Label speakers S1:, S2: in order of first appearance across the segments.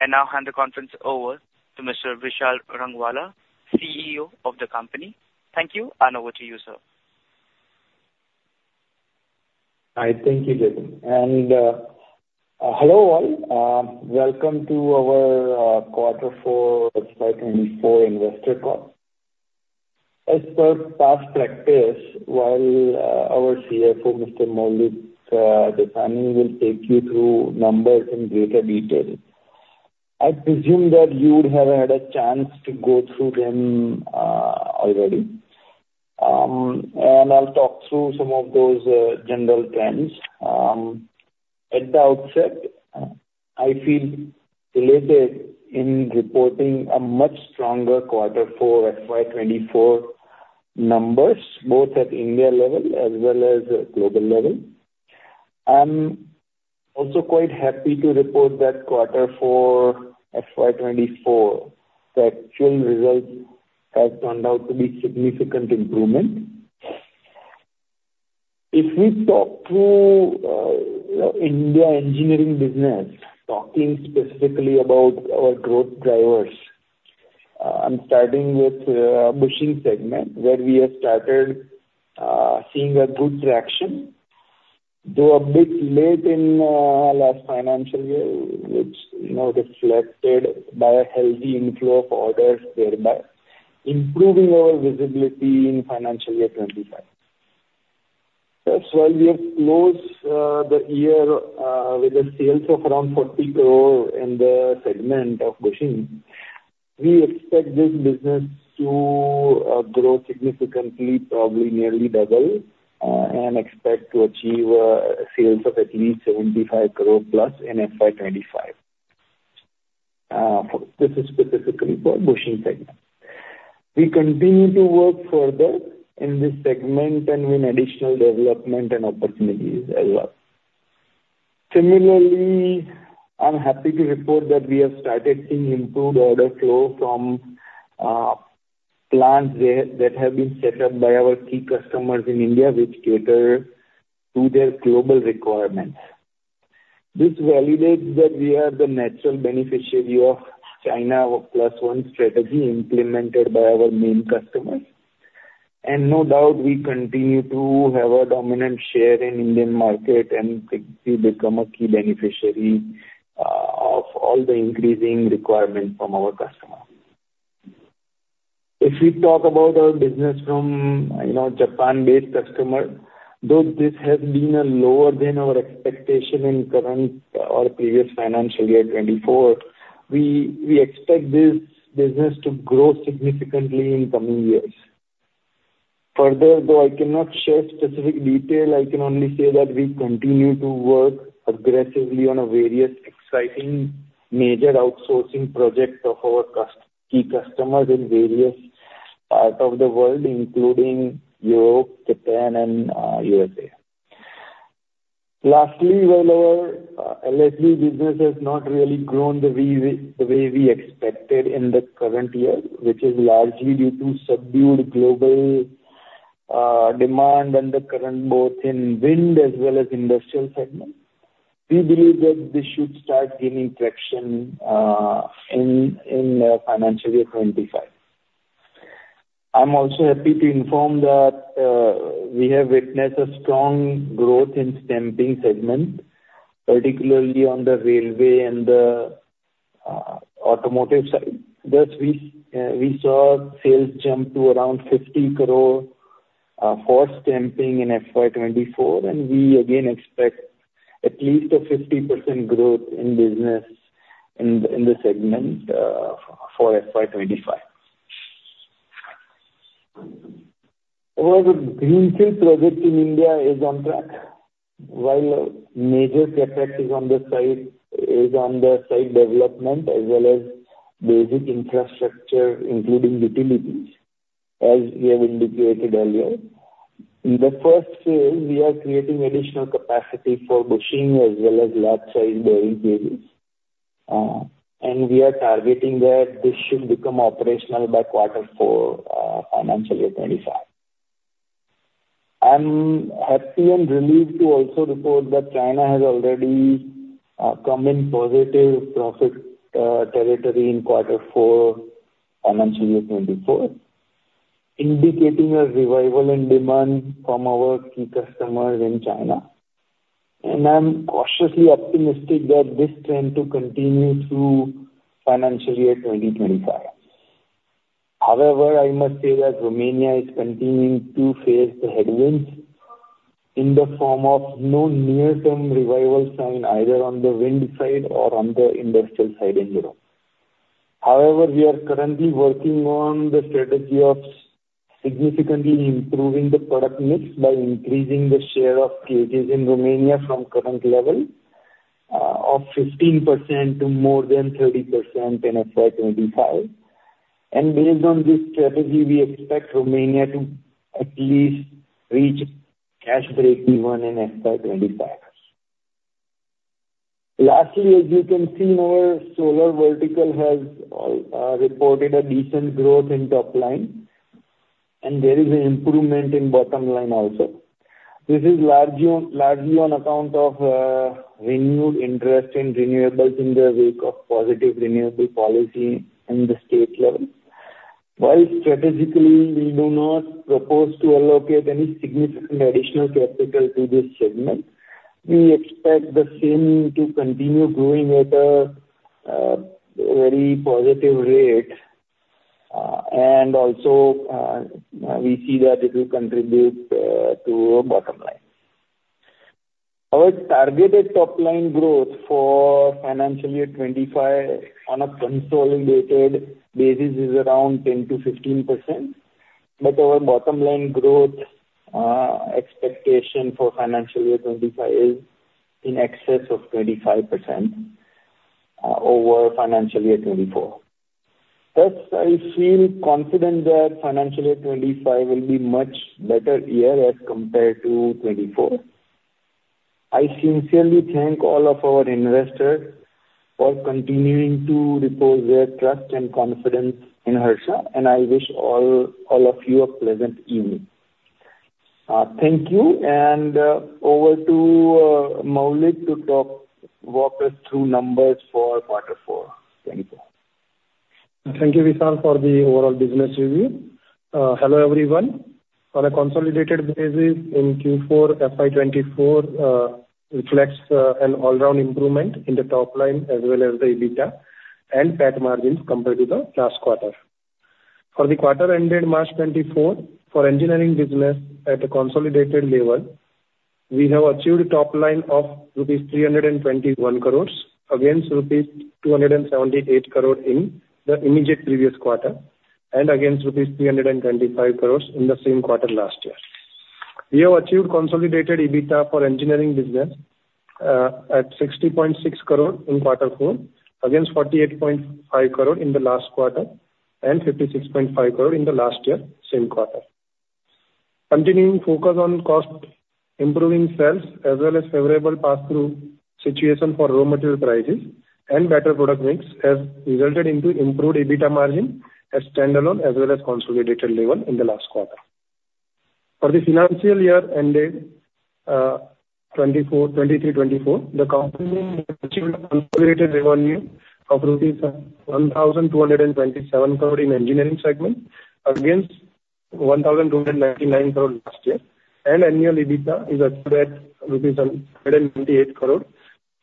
S1: I now hand the conference over to Mr. Vishal Rangwala, CEO of the company. Thank you, and over to you, sir.
S2: I thank you, Jatin, and hello, all. Welcome to our Quarter 4 FY 2024 investor call. As per past practice, while our CFO, Mr. Maulik Jasani, will take you through numbers in greater detail, I presume that you would have had a chance to go through them already. And I'll talk through some of those general trends. At the outset, I feel delighted in reporting a much stronger Quarter 4 FY 2024 numbers, both at India level as well as global level. I'm also quite happy to report that Quarter 4 FY 2024, the actual results have turned out to be significant improvement. If we talk through, Indian engineering business, talking specifically about our growth drivers, I'm starting with, bushing segment, where we have started, seeing a good traction, though a bit late in, last financial year, which, you know, reflected by a healthy inflow of orders, thereby improving our visibility in financial year 2025. Thus, while we have closed, the year, with sales of around 40 crore in the segment of bushing, we expect this business to, grow significantly, probably nearly double, and expect to achieve, sales of at least 75 crore plus in FY 2025. This is specifically for bushing segment. We continue to work further in this segment and win additional development and opportunities as well. Similarly, I'm happy to report that we have started seeing improved order flow from plants that have been set up by our key customers in India, which cater to their global requirements. This validates that we are the natural beneficiary of China Plus One strategy implemented by our main customers, and no doubt we continue to have a dominant share in Indian market and could be become a key beneficiary of all the increasing requirements from our customers. If we talk about our business from, you know, Japan-based customer, though this has been a lower than our expectation in current or previous financial year 2024, we expect this business to grow significantly in coming years. Further, though I cannot share specific detail, I can only say that we continue to work aggressively on various exciting major outsourcing projects of our key customers in various parts of the world, including Europe, Japan, and USA. Lastly, while our LSC business has not really grown the way we expected in the current year, which is largely due to subdued global demand and the current both in wind as well as industrial segment, we believe that this should start gaining traction in financial year 25. I'm also happy to inform that we have witnessed a strong growth in stamping segment, particularly on the railway and the automotive side. Thus, we saw sales jump to around 50 crore for stamping in FY 2024, and we again expect at least a 50% growth in business in the segment for FY 2025. Our greenfield project in India is on track. While major effect is on the site development, as well as basic infrastructure, including utilities, as we have indicated earlier. In the first phase, we are creating additional capacity for bushing as well as large size bearing cages, and we are targeting that this should become operational by quarter four, FY 2025. I'm happy and relieved to also report that China has already come in positive profit territory in Quarter four, FY 2024, indicating a revival in demand from our key customers in China. I'm cautiously optimistic that this trend to continue through FY 2025. However, I must say that Romania is continuing to face the headwinds in the form of no near-term revival sign, either on the wind side or on the industrial side in Europe. However, we are currently working on the strategy of significantly improving the product mix by increasing the share of cages in Romania from current level of 15% to more than 30% in FY 2025. And based on this strategy, we expect Romania to at least reach cash break-even in FY 2025. Lastly, as you can see, our solar vertical has reported a decent growth in top line and there is an improvement in bottom line also. This is largely on, largely on account of renewed interest in renewables in the wake of positive renewable policy in the state level. While strategically, we do not propose to allocate any significant additional capital to this segment, we expect the same to continue growing at a very positive rate. And also, we see that it will contribute to our bottom line. Our targeted top line growth for financial year 2025 on a consolidated basis is around 10%-15%, but our bottom line growth expectation for financial year 2025 is in excess of 25% over financial year 2024. Thus, I feel confident that financial year 2025 will be much better year as compared to 2024. I sincerely thank all of our investors for continuing to repose their trust and confidence in Harsha, and I wish all of you a pleasant evening. Thank you, and over to Maulik to walk us through numbers for quarter four. Thank you.
S3: Thank you, Vishal, for the overall business review. Hello, everyone. On a consolidated basis in Q4, FY 2024, reflects an all-round improvement in the top line as well as the EBITDA and PAT margins compared to the last quarter. For the quarter ended March 2024, for engineering business at a consolidated level, we have achieved a top line of rupees 321 crore against rupees 278 crore in the immediate previous quarter, and against rupees 325 crore in the same quarter last year. We have achieved consolidated EBITDA for engineering business at 60.6 crore in quarter four, against 48.5 crore in the last quarter and 56.5 crore in the last year same quarter. Continuing focus on cost, improving sales, as well as favorable pass-through situation for raw material prices and better product mix, has resulted into improved EBITDA margin as standalone, as well as consolidated level in the last quarter. For the financial year ended 2024, the company achieved a consolidated revenue of INR 1,227 crore in engineering segment, against INR 1,299 crore last year. Annual EBITDA is achieved at INR 128 crore,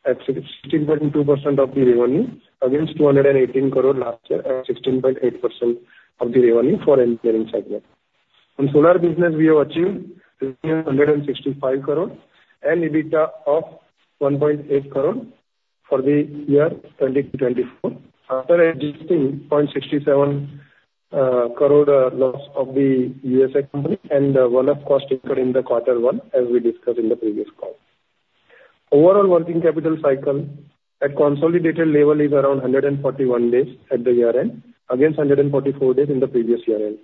S3: at 60.2% of the revenue against INR 218 crore last year, at 16.8% of the revenue for engineering segment. In solar business, we have achieved 165 crore and EBITDA of 1.8 crore for the year 2023 to 2024, after adjusting 0.67 crore loss of the USA company and the one-off cost incurred in the quarter one, as we discussed in the previous call. Overall working capital cycle at consolidated level is around 141 days at the year-end, against 144 days in the previous year-end.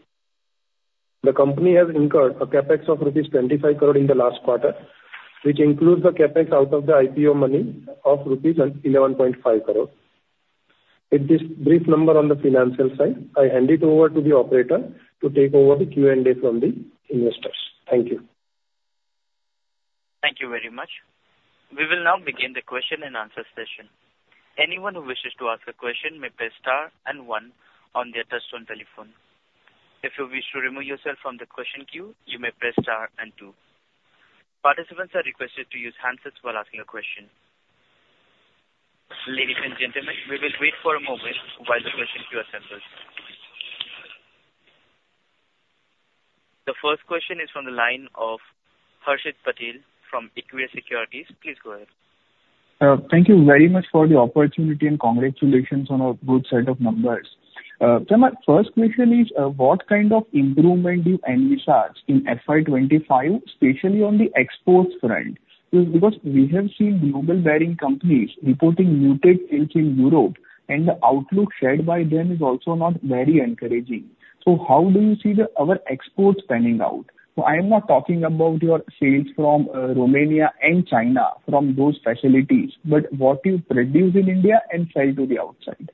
S3: The company has incurred a CapEx of rupees 25 crore in the last quarter, which includes the CapEx out of the IPO money of rupees 11.5 crore. With this brief number on the financial side, I hand it over to the operator to take over the Q&A from the investors. Thank you.
S1: Thank you very much. We will now begin the question and answer session. Anyone who wishes to ask a question may press star and one on their touchtone telephone. If you wish to remove yourself from the question queue, you may press star and two. Participants are requested to use handsets while asking a question. Ladies and gentlemen, we will wait for a moment while the question queue assembles. The first question is from the line of Harshit Patel from Equirus Securities. Please go ahead.
S4: Thank you very much for the opportunity, and congratulations on a good set of numbers. So my first question is, what kind of improvement do you envisage in FY 2025, especially on the exports front? Because we have seen global bearing companies reporting muted sales in Europe, and the outlook shared by them is also not very encouraging. So how do you see the, our exports panning out? So I am not talking about your sales from, Romania and China, from those facilities, but what you produce in India and sell to the outside.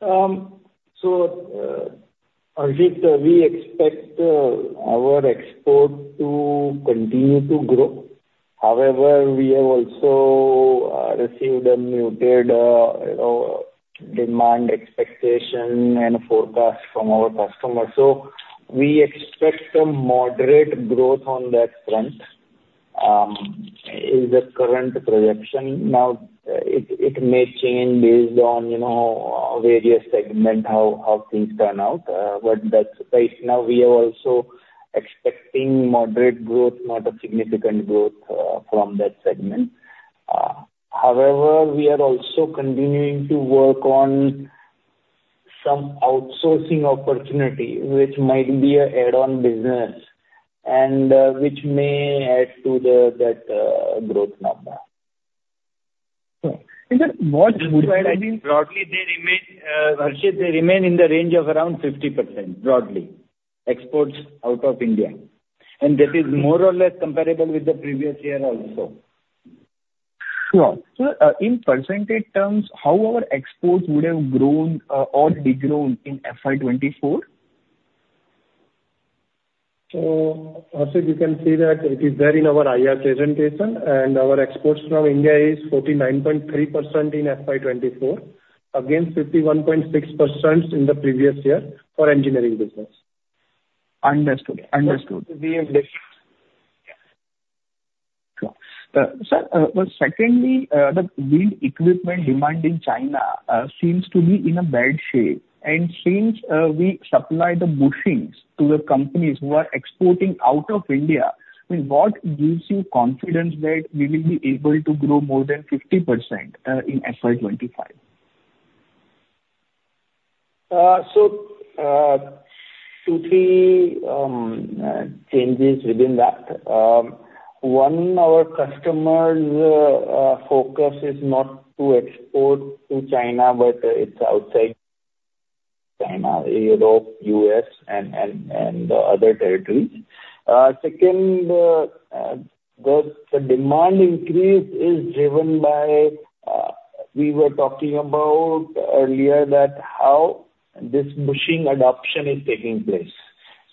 S2: So, Harshit, we expect our export to continue to grow. However, we have also received a muted, you know, demand expectation and forecast from our customers. So we expect a moderate growth on that front is the current projection. Now, it may change based on, you know, various segment, how things turn out, but that's the case. Now, we are also expecting moderate growth, not a significant growth, from that segment. However, we are also continuing to work on some outsourcing opportunity, which might be an add-on business and, which may add to the, that, growth number.
S4: Is that what would-
S2: Broadly, they remain, Harish, they remain in the range of around 50%, broadly, exports out of India, and that is more or less comparable with the previous year also. .
S4: Sure. So, in percentage terms, how our exports would have grown, or degrown in FY 2024?
S2: As you can see that it is there in our IR presentation, and our exports from India is 49.3% in FY 2024, against 51.6% in the previous year for engineering business.
S4: Understood. Understood.
S2: Yeah.
S4: Sure. Sir, but secondly, the wind equipment demand in China seems to be in a bad shape. Since we supply the bushings to the companies who are exporting out of India, I mean, what gives you confidence that we will be able to grow more than 50% in FY 2025?
S2: So, two, three changes within that. One, our customers' focus is not to export to China, but it's outside China, Europe, US, and other territories. Second, the demand increase is driven by, we were talking about earlier, that how this bushing adoption is taking place.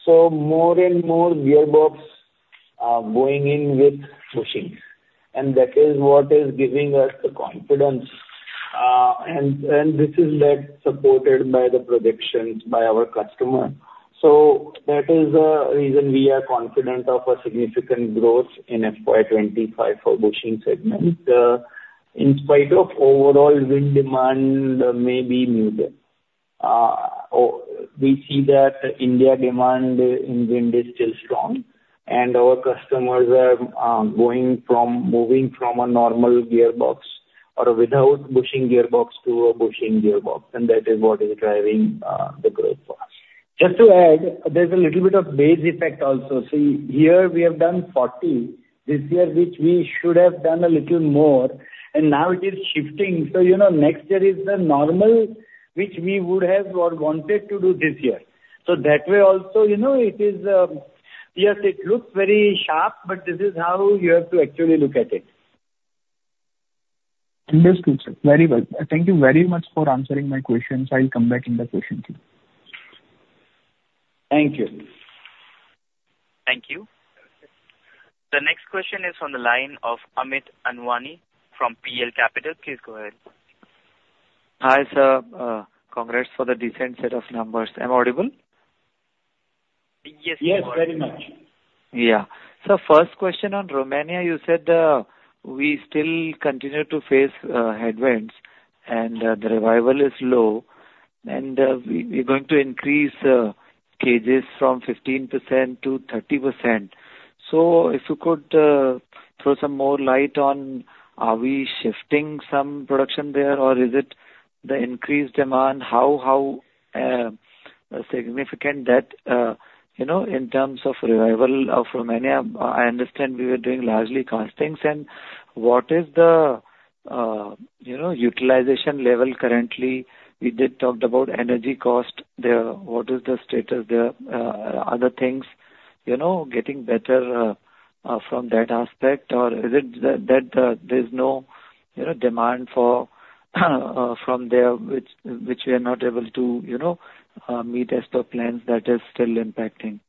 S2: So more and more gearbox going in with bushings, and that is what is giving us the confidence. And this is that supported by the predictions by our customer. So that is the reason we are confident of a significant growth in FY 2025 for bushing segment. In spite of overall wind demand may be muted. We see that India demand in wind is still strong, and our customers are moving from a normal gearbox or without bushing gearbox to a bushing gearbox, and that is what is driving the growth for us.
S3: Just to add, there's a little bit of base effect also. So year we have done 40, this year, which we should have done a little more, and now it is shifting. So, you know, next year is the normal, which we would have or wanted to do this year. So that way also, you know, it is, yes, it looks very sharp, but this is how you have to actually look at it.
S4: Understood, sir. Very well. Thank you very much for answering my questions. I'll come back in the question queue.
S2: Thank you.
S1: Thank you. The next question is from the line of Amit Anwani from PL Capital. Please go ahead.
S5: Hi, sir. Congrats for the decent set of numbers. Am I audible?
S1: Yes.
S6: Yes, very much.
S5: Yeah. So first question on Romania, you said, we still continue to face headwinds, and the revival is low, and we, we're going to increase cages from 15%-30%. So if you could throw some more light on, are we shifting some production there, or is it the increased demand? How significant that, you know, in terms of revival of Romania, I understand we were doing largely castings, and what is the utilization level currently? We did talk about energy cost there. What is the status there? Are the things, you know, getting better from that aspect? Or is it that there's no demand from there, which we are not able to meet as per plans that is still impacting?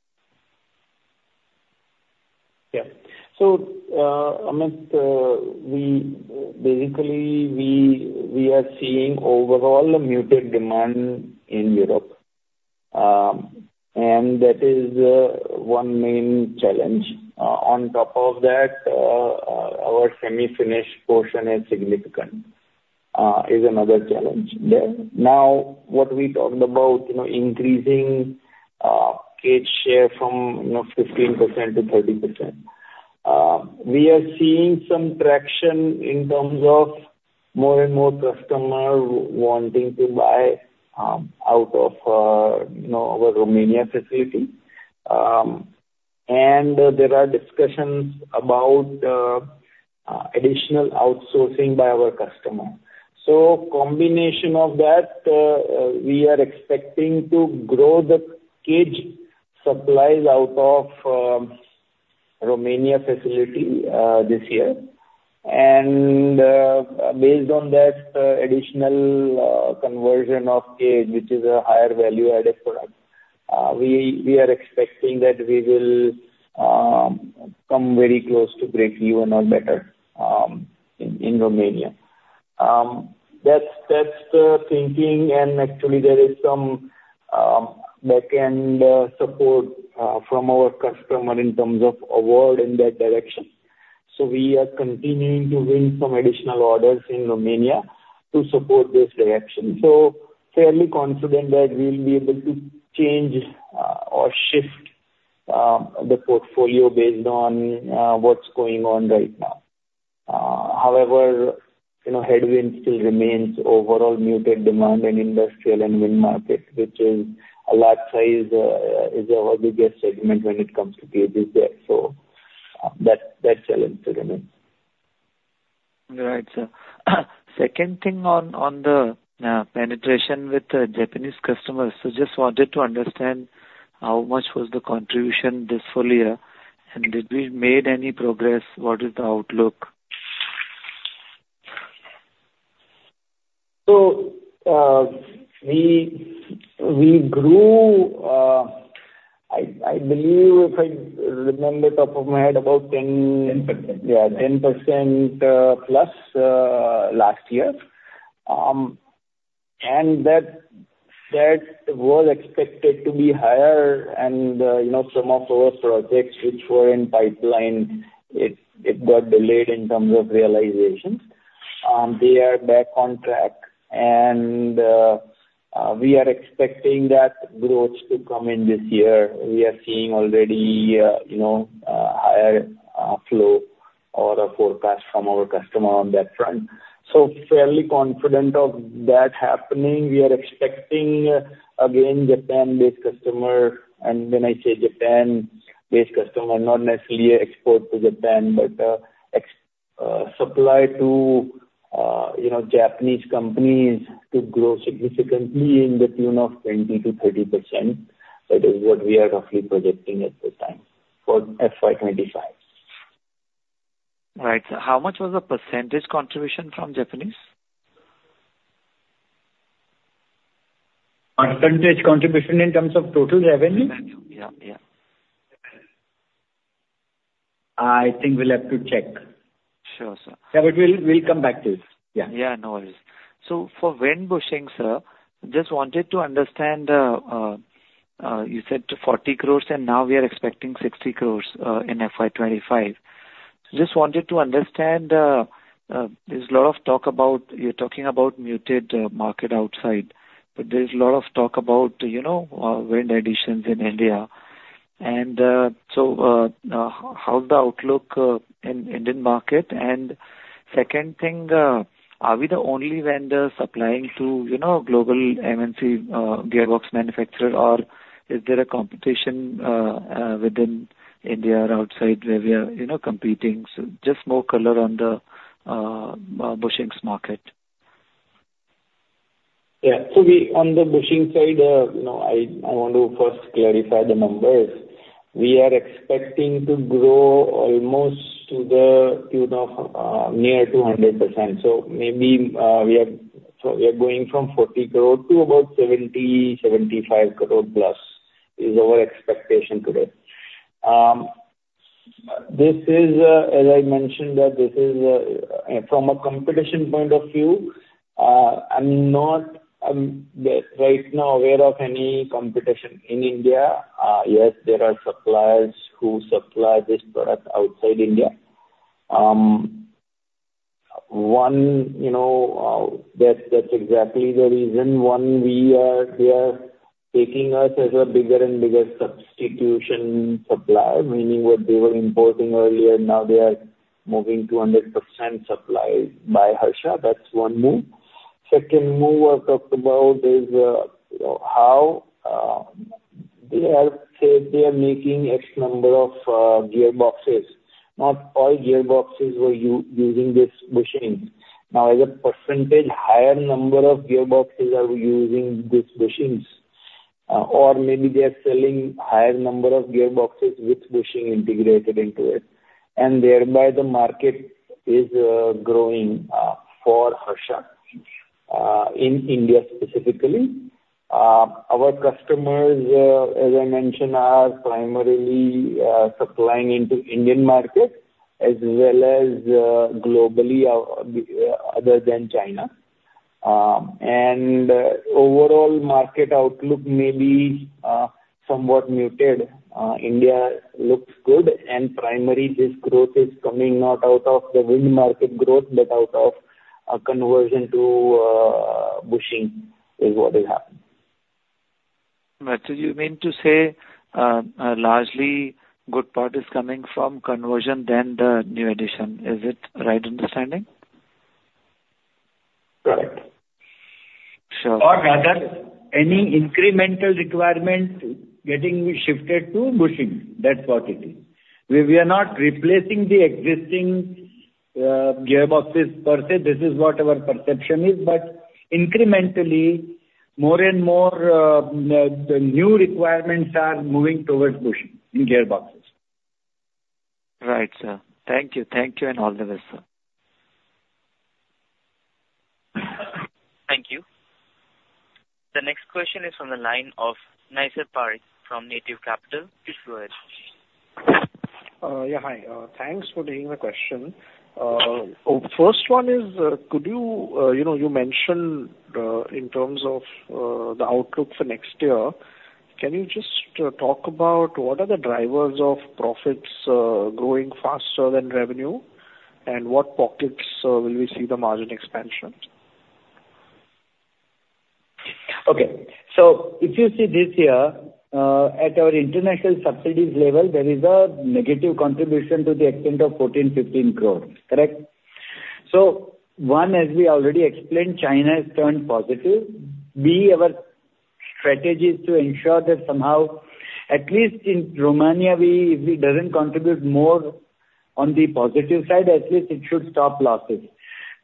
S2: Yeah. So, Amit, we basically, we are seeing overall a muted demand in Europe, and that is one main challenge. On top of that, our semi-finished portion is significant, is another challenge there. Now, what we talked about, you know, increasing cage share from, you know, 15%-30%. We are seeing some traction in terms of more and more customer wanting to buy out of, you know, our Romania facility. And there are discussions about additional outsourcing by our customer. So combination of that, we are expecting to grow the cage supplies out of Romania facility this year. Based on that, additional conversion of cage, which is a higher value-added product, we are expecting that we will come very close to breakeven or better in Romania. That's the thinking, and actually there is some backend support from our customer in terms of award in that direction. We are continuing to win some additional orders in Romania to support this direction. Fairly confident that we'll be able to change or shift the portfolio based on what's going on right now. However, you know, headwind still remains overall muted demand in industrial and wind markets, which is a large size is our biggest segment when it comes to cages there, so that challenge remains.
S5: Right, sir. Second thing on the penetration with the Japanese customers. So just wanted to understand how much was the contribution this full year, and did we made any progress? What is the outlook?
S2: So, we grew, I believe, if I remember top of my head, about ten-
S5: Ten percent.
S2: Yeah, 10%+ last year. That was expected to be higher. You know, some of our projects which were in pipeline, it got delayed in terms of realization. They are back on track, and we are expecting that growth to come in this year. We are seeing already you know higher flow or a forecast from our customer on that front. So fairly confident of that happening. We are expecting, again, Japan-based customer, and when I say Japan-based customer, not necessarily an export to Japan, but supply to you know Japanese companies to grow significantly in the tune of 20%-30%. That is what we are roughly projecting at this time for FY 2025.
S5: Right. How much was the percentage contribution from Japanese?
S2: Percentage contribution in terms of total revenue?
S5: Revenue. Yeah, yeah.
S2: I think we'll have to check.
S5: Sure, sir.
S2: Yeah, but we'll, we'll come back to you. Yeah.
S5: Yeah, no worries. So for wind bushings, sir, just wanted to understand, you said to 40 crore, and now we are expecting 60 crore, in FY 2025. So just wanted to understand, there's a lot of talk about. You're talking about muted market outside, but there's a lot of talk about, you know, wind additions in India. And, so, how's the outlook, in Indian market? And second thing, are we the only vendor supplying to, you know, global MNC, gearbox manufacturer, or is there a competition, within India or outside where we are, you know, competing? So just more color on the, bushings market.
S2: Yeah. So we, on the bushing side, you know, I, I want to first clarify the numbers. We are expecting to grow almost to the tune of, nearly 100%. So maybe, we are, so we are going from 40 crore to about 70 crore-75 crore+, is our expectation today. This is, as I mentioned, that this is, from a competition point of view, I'm not, right now aware of any competition in India. Yes, there are suppliers who supply this product outside India. One, you know, that, that's exactly the reason. One, we are, they are taking us as a bigger and bigger substitution supplier, meaning what they were importing earlier, now they are moving to 100% supply by Harsha, that's one move. Second move I talked about is, you know, how they say they are making X number of gearboxes. Not all gearboxes were using this bushings. Now, as a percentage, higher number of gearboxes are using these bushings, or maybe they are selling higher number of gearboxes with bushing integrated into it, and thereby the market is growing for Harsha in India specifically. Our customers, as I mentioned, are primarily supplying into Indian market as well as globally, other than China. And overall market outlook may be somewhat muted. India looks good, and primarily this growth is coming not out of the wind market growth, but out of a conversion to bushing, is what is happening.
S5: Right. So you mean to say, largely good part is coming from conversion then the new addition. Is it right understanding?
S2: Correct.
S5: Sure.
S2: Or rather, any incremental requirement getting shifted to bushing, that's what it is. We, we are not replacing the existing, gearboxes per se, this is what our perception is, but incrementally, more and more, new requirements are moving towards bushing in gearboxes.
S5: Right, sir. Thank you. Thank you and all the best, sir.
S1: Thank you. The next question is from the line of Nisarg Parikh from Native Capital. Please go ahead.
S7: Yeah, hi. Thanks for taking the question. Oh, first one is, could you, you know, you mentioned, in terms of, the outlook for next year, can you just, talk about what are the drivers of profits, growing faster than revenue, and what pockets, will we see the margin expansion?
S2: Okay. So if you see this year at our international subsidiaries level, there is a negative contribution to the extent of 14 crore-15 crore, correct? One, as we already explained, China has turned positive. B, our..
S6: strategies to ensure that somehow, at least in Romania, we, if it doesn't contribute more on the positive side, at least it should stop losses.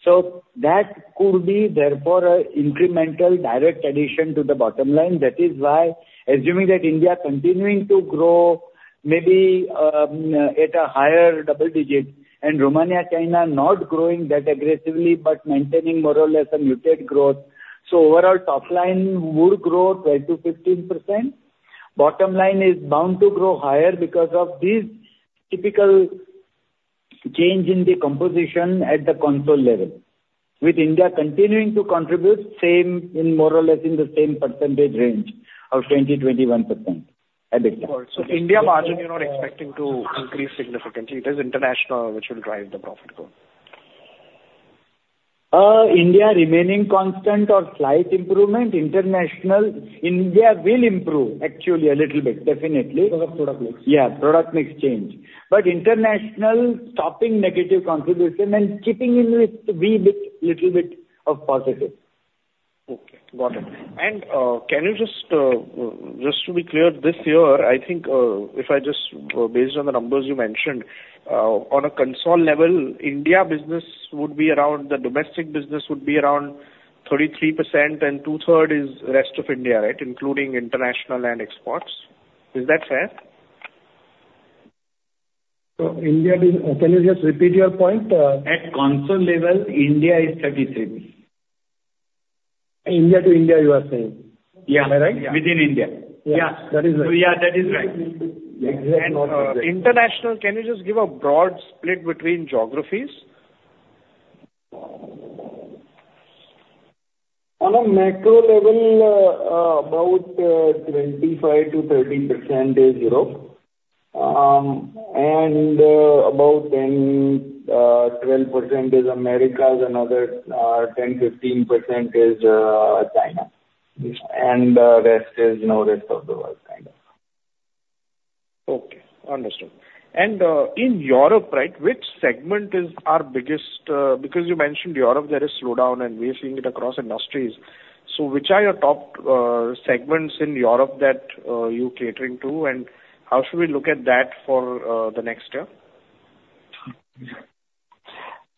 S6: So that could be therefore, an incremental direct addition to the bottom line. That is why, assuming that India continuing to grow, maybe, at a higher double digit, and Romania, China not growing that aggressively, but maintaining more or less a muted growth. So overall, top line would grow 12%-15%. Bottom line is bound to grow higher because of this typical change in the composition at the consolidated level, with India continuing to contribute same in more or less in the same percentage range of 20%-21% at this time.
S7: India margin, you're not expecting to increase significantly. It is international which will drive the profit growth.
S6: India remaining constant or slight improvement, international. India will improve actually a little bit, definitely.
S7: Because of product mix.
S6: Yeah, product mix change. But international, stopping negative contribution and keeping it with wee bit, little bit of positive.
S7: Okay, got it. And, can you just, just to be clear, this year, I think, if I just, based on the numbers you mentioned, on a consolidated level, India business would be around. The domestic business would be around 33%, and two-thirds is rest of India, right? Including international and exports. Is that fair?
S2: India business, can you just repeat your point?
S6: At consolidated level, India is 33.
S2: India to India, you are saying.
S6: Yeah.
S2: Am I right?
S6: Within India.
S2: Yeah.
S6: That is right.
S2: Yeah, that is right.
S6: Exactly.
S7: International, can you just give a broad split between geographies?
S2: On a macro level, about 25%-30% is Europe. About 10-12% is Americas, another 10-15% is China. Rest is, you know, rest of the world, kind of.
S7: Okay, understood. And, in Europe, right, which segment is our biggest, because you mentioned Europe, there is slowdown, and we are seeing it across industries. So which are your top segments in Europe that you're catering to, and how should we look at that for the next year?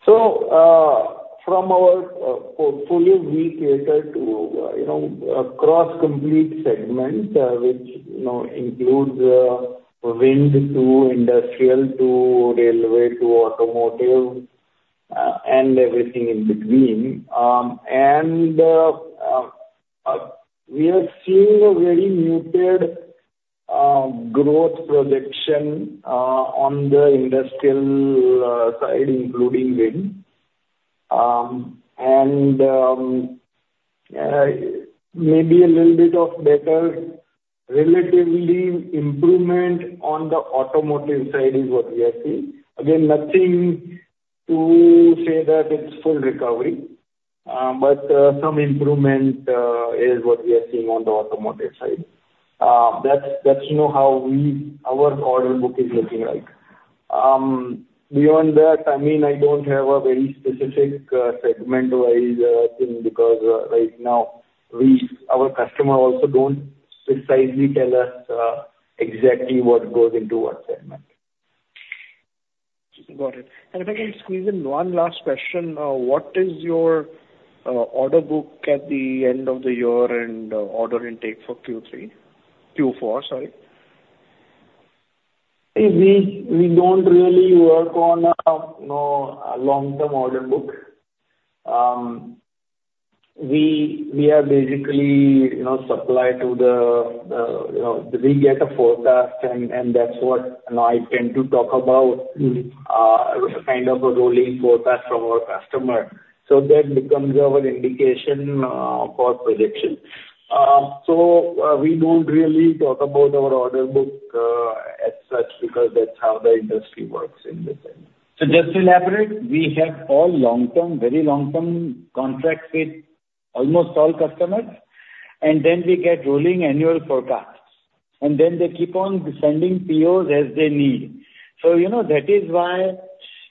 S2: So, from our portfolio, we cater to, you know, across complete segments, which, you know, includes wind to industrial to railway to automotive, and everything in between. We are seeing a very muted growth projection on the industrial side, including wind. And maybe a little bit of better, relatively, improvement on the automotive side is what we are seeing. Again, nothing to say that it's full recovery, but some improvement is what we are seeing on the automotive side. That's, that's, you know, how we, our order book is looking like. Beyond that, I mean, I don't have a very specific segment-wise thing, because right now, we, our customer also don't precisely tell us exactly what goes into what segment.
S7: Got it. And if I can squeeze in one last question, what is your order book at the end of the year and order intake for Q3? Q4, sorry.
S2: We don't really work on a, you know, a long-term order book. We are basically, you know, supply to the, you know, we get a forecast, and that's what, you know, I tend to talk about, kind of a rolling forecast from our customer. So that becomes our indication for projection. So, we don't really talk about our order book, as such, because that's how the industry works in this end.
S6: So just to elaborate, we have all long-term, very long-term contracts with almost all customers, and then we get rolling annual forecasts, and then they keep on sending POs as they need. So, you know, that is why,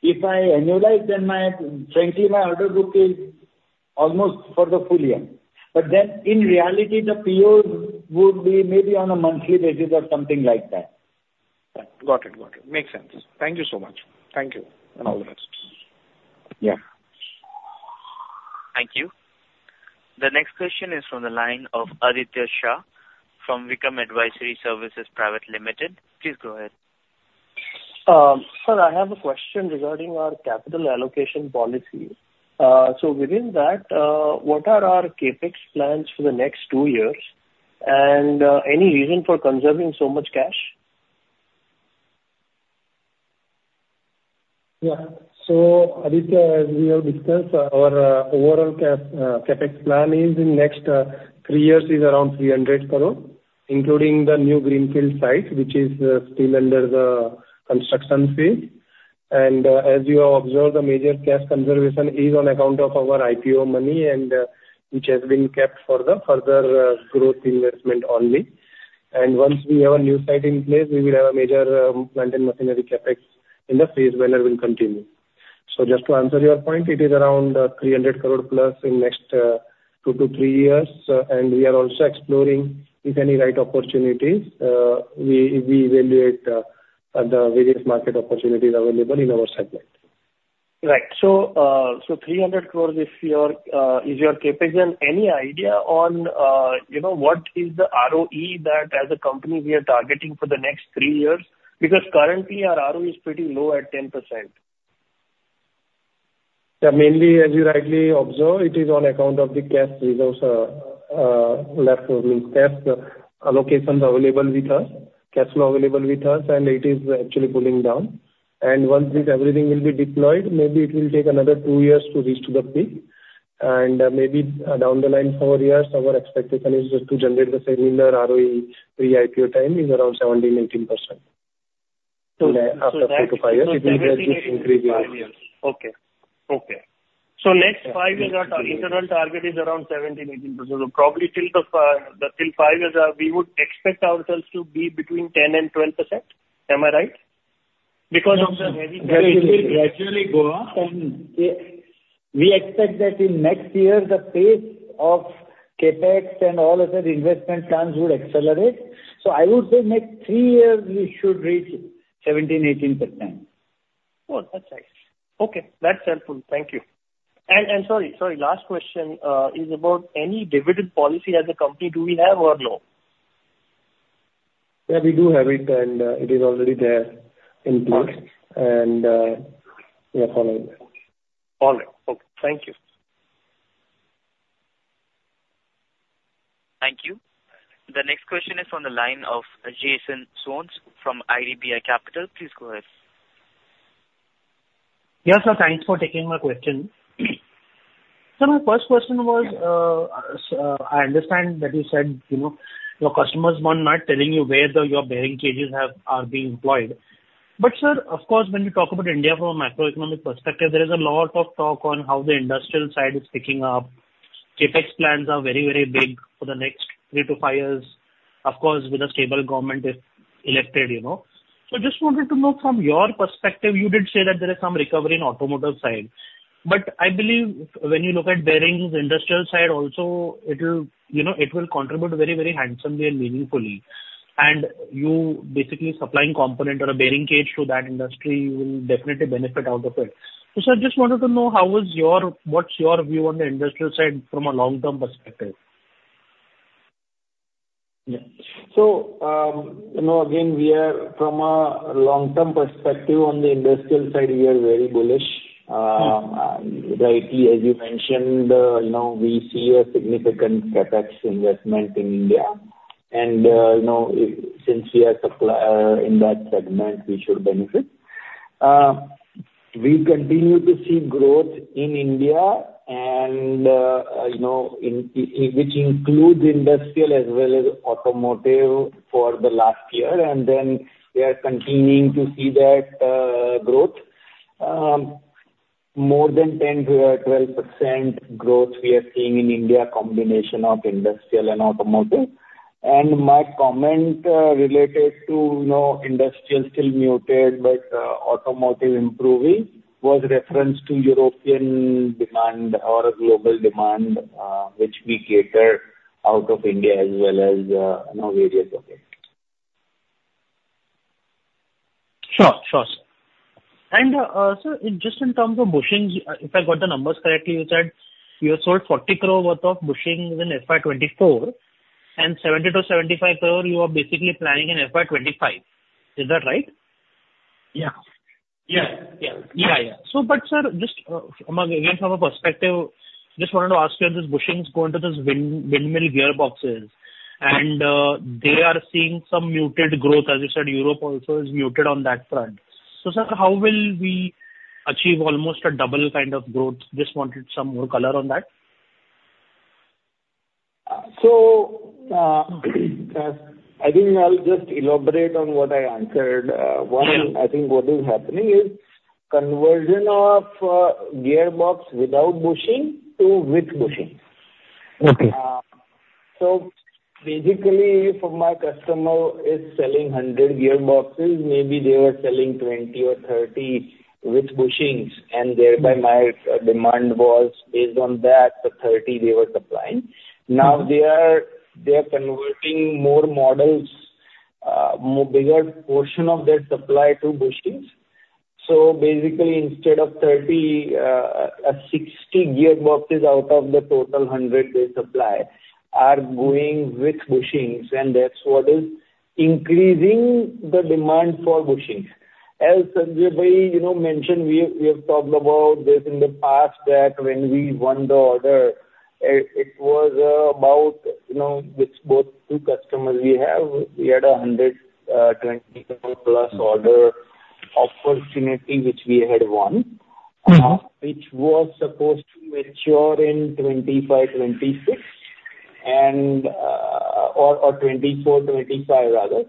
S6: if I annualize, then my, frankly, my order book is almost for the full year. But then, in reality, the POs would be maybe on a monthly basis or something like that.
S7: Got it. Got it. Makes sense. Thank you so much. Thank you, and all the best.
S2: Yeah.
S1: Thank you. The next question is from the line of Aditya Shah from Vikram Advisory Services Private Limited. Please go ahead.
S8: Sir, I have a question regarding our capital allocation policy. So within that, what are our CapEx plans for the next two years, and any reason for conserving so much cash?
S2: Yeah. So Aditya, as we have discussed, our overall CapEx plan is in next three years is around 300 crore, including the new greenfield site, which is still under the construction phase. And as you observe, the major cash conservation is on account of our IPO money, and which has been kept for the further growth investment only. And once we have a new site in place, we will have a major plant and machinery CapEx in the phase when it will continue. So just to answer your point, it is around 300 crore+ in next 2-3 years. And we are also exploring if any right opportunities, we evaluate the various market opportunities available in our segment.
S8: Right. So, 300 crores is your CapEx. Any idea on, you know, what is the ROE that as a company we are targeting for the next three years? Because currently our ROE is pretty low at 10%.
S2: Yeah, mainly as you rightly observe, it is on account of the cash reserves left with cash allocations available with us, cash flow available with us, and it is actually pulling down. And once this everything will be deployed, maybe it will take another two years to reach to the peak, and maybe down the line four years, our expectation is just to generate the similar ROE pre-IPO time is around 17, 18%. After 3-5 years, it will just increase.
S8: Okay. Okay. So next five years, our internal target is around 17, 18%. So probably till the, till five years, we would expect ourselves to be between 10% and 12%. Am I right? Because of the heavy-
S2: It will gradually go up, and we expect that in next year, the pace of CapEx and all other investment plans would accelerate. So I would say next three years, we should reach 17%-18%.
S8: Oh, that's right. Okay, that's helpful. Thank you. And sorry, last question, is about any dividend policy as a company, do we have or no?
S2: Yeah, we do have it, and it is already there in place.
S8: Okay.
S2: We are following that.
S8: All right. Okay. Thank you.
S1: Thank you. The next question is on the line of Jason Soans from IDBI Capital. Please go ahead.
S9: Yeah, sir, thanks for taking my question. Sir, my first question was, I understand that you said, you know, your customers were not telling you where the, your bearing cages have, are being employed. But sir, of course, when you talk about India from a macroeconomic perspective, there is a lot of talk on how the industrial side is picking up. CapEx plans are very, very big for the next three to five years, of course, with a stable government, if elected you know. So just wanted to know from your perspective, you did say that there is some recovery in automotive side, but I believe when you look at bearings, industrial side also, it will, you know, it will contribute very, very handsomely and meaningfully. And you basically supplying component or a bearing cage to that industry, you will definitely benefit out of it. So, sir, just wanted to know, how is your. What's your view on the industrial side from a long-term perspective?
S2: Yeah. So, you know, again, we are from a long-term perspective on the industrial side, we are very bullish. Rightly, as you mentioned, you know, we see a significant CapEx investment in India, and, you know, since we are supplier, in that segment, we should benefit. We continue to see growth in India and, you know, in, which includes industrial as well as automotive for the last year, and then we are continuing to see that, growth. More than 10%-12% growth we are seeing in India, a combination of industrial and automotive. And my comment, related to, you know, industrial still muted, but, automotive improving, was reference to European demand or global demand, which we cater out of India as well as, you know, various other.
S9: Sure. Sure, sir. And, sir, just in terms of bushings, if I got the numbers correctly, you said you have sold 40 crore worth of bushings in FY 2024, and 70-75 crore you are basically planning in FY 2025. Is that right?
S2: Yeah.
S9: Yeah. Yeah. Yeah, yeah. So, but sir, just, again, from a perspective, just wanted to ask you, if these bushings go into those windmill gearboxes, and they are seeing some muted growth, as you said, Europe also is muted on that front. So, sir, how will we achieve almost a double kind of growth? Just wanted some more color on that.
S2: So, I think I'll just elaborate on what I answered.
S9: Yeah.
S2: One, I think what is happening is conversion of gearbox without bushing to with bushing.
S9: Okay.
S2: Basically, if my customer is selling 100 gearboxes, maybe they were selling 20 or 30 with bushings, and thereby my demand was based on that, the 30 they were supplying.
S9: Mm-hmm.
S2: Now they are, they are converting more models, more bigger portion of their supply to bushings. So basically, instead of 30, 60 gearboxes out of the total 100 they supply, are going with bushings, and that's what is increasing the demand for bushings. As Sanjay bhai, you know, mentioned, we have, we have talked about this in the past, that when we won the order, it, it was, about, you know, with both two customers we have, we had a 120 crore plus order opportunity, which we had won.
S9: Mm-hmm.
S2: which was supposed to mature in 2025, 2026, or 2024, 2025, rather.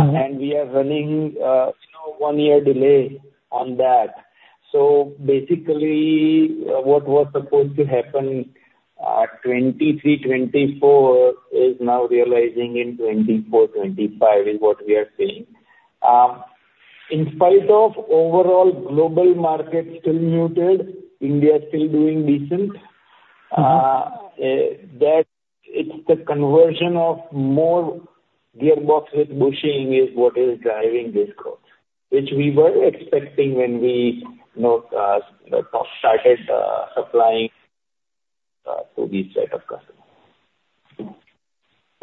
S9: Mm-hmm.
S2: We are running, you know, 1-year delay on that. So basically, what was supposed to happen 2023-24 is now realizing in 2024-25, is what we are seeing. In spite of overall global market still muted, India is still doing decent.
S9: Mm-hmm.
S2: that it's the conversion of more gearbox with bushing is what is driving this growth, which we were expecting when we, you know, started supplying to these set of customers.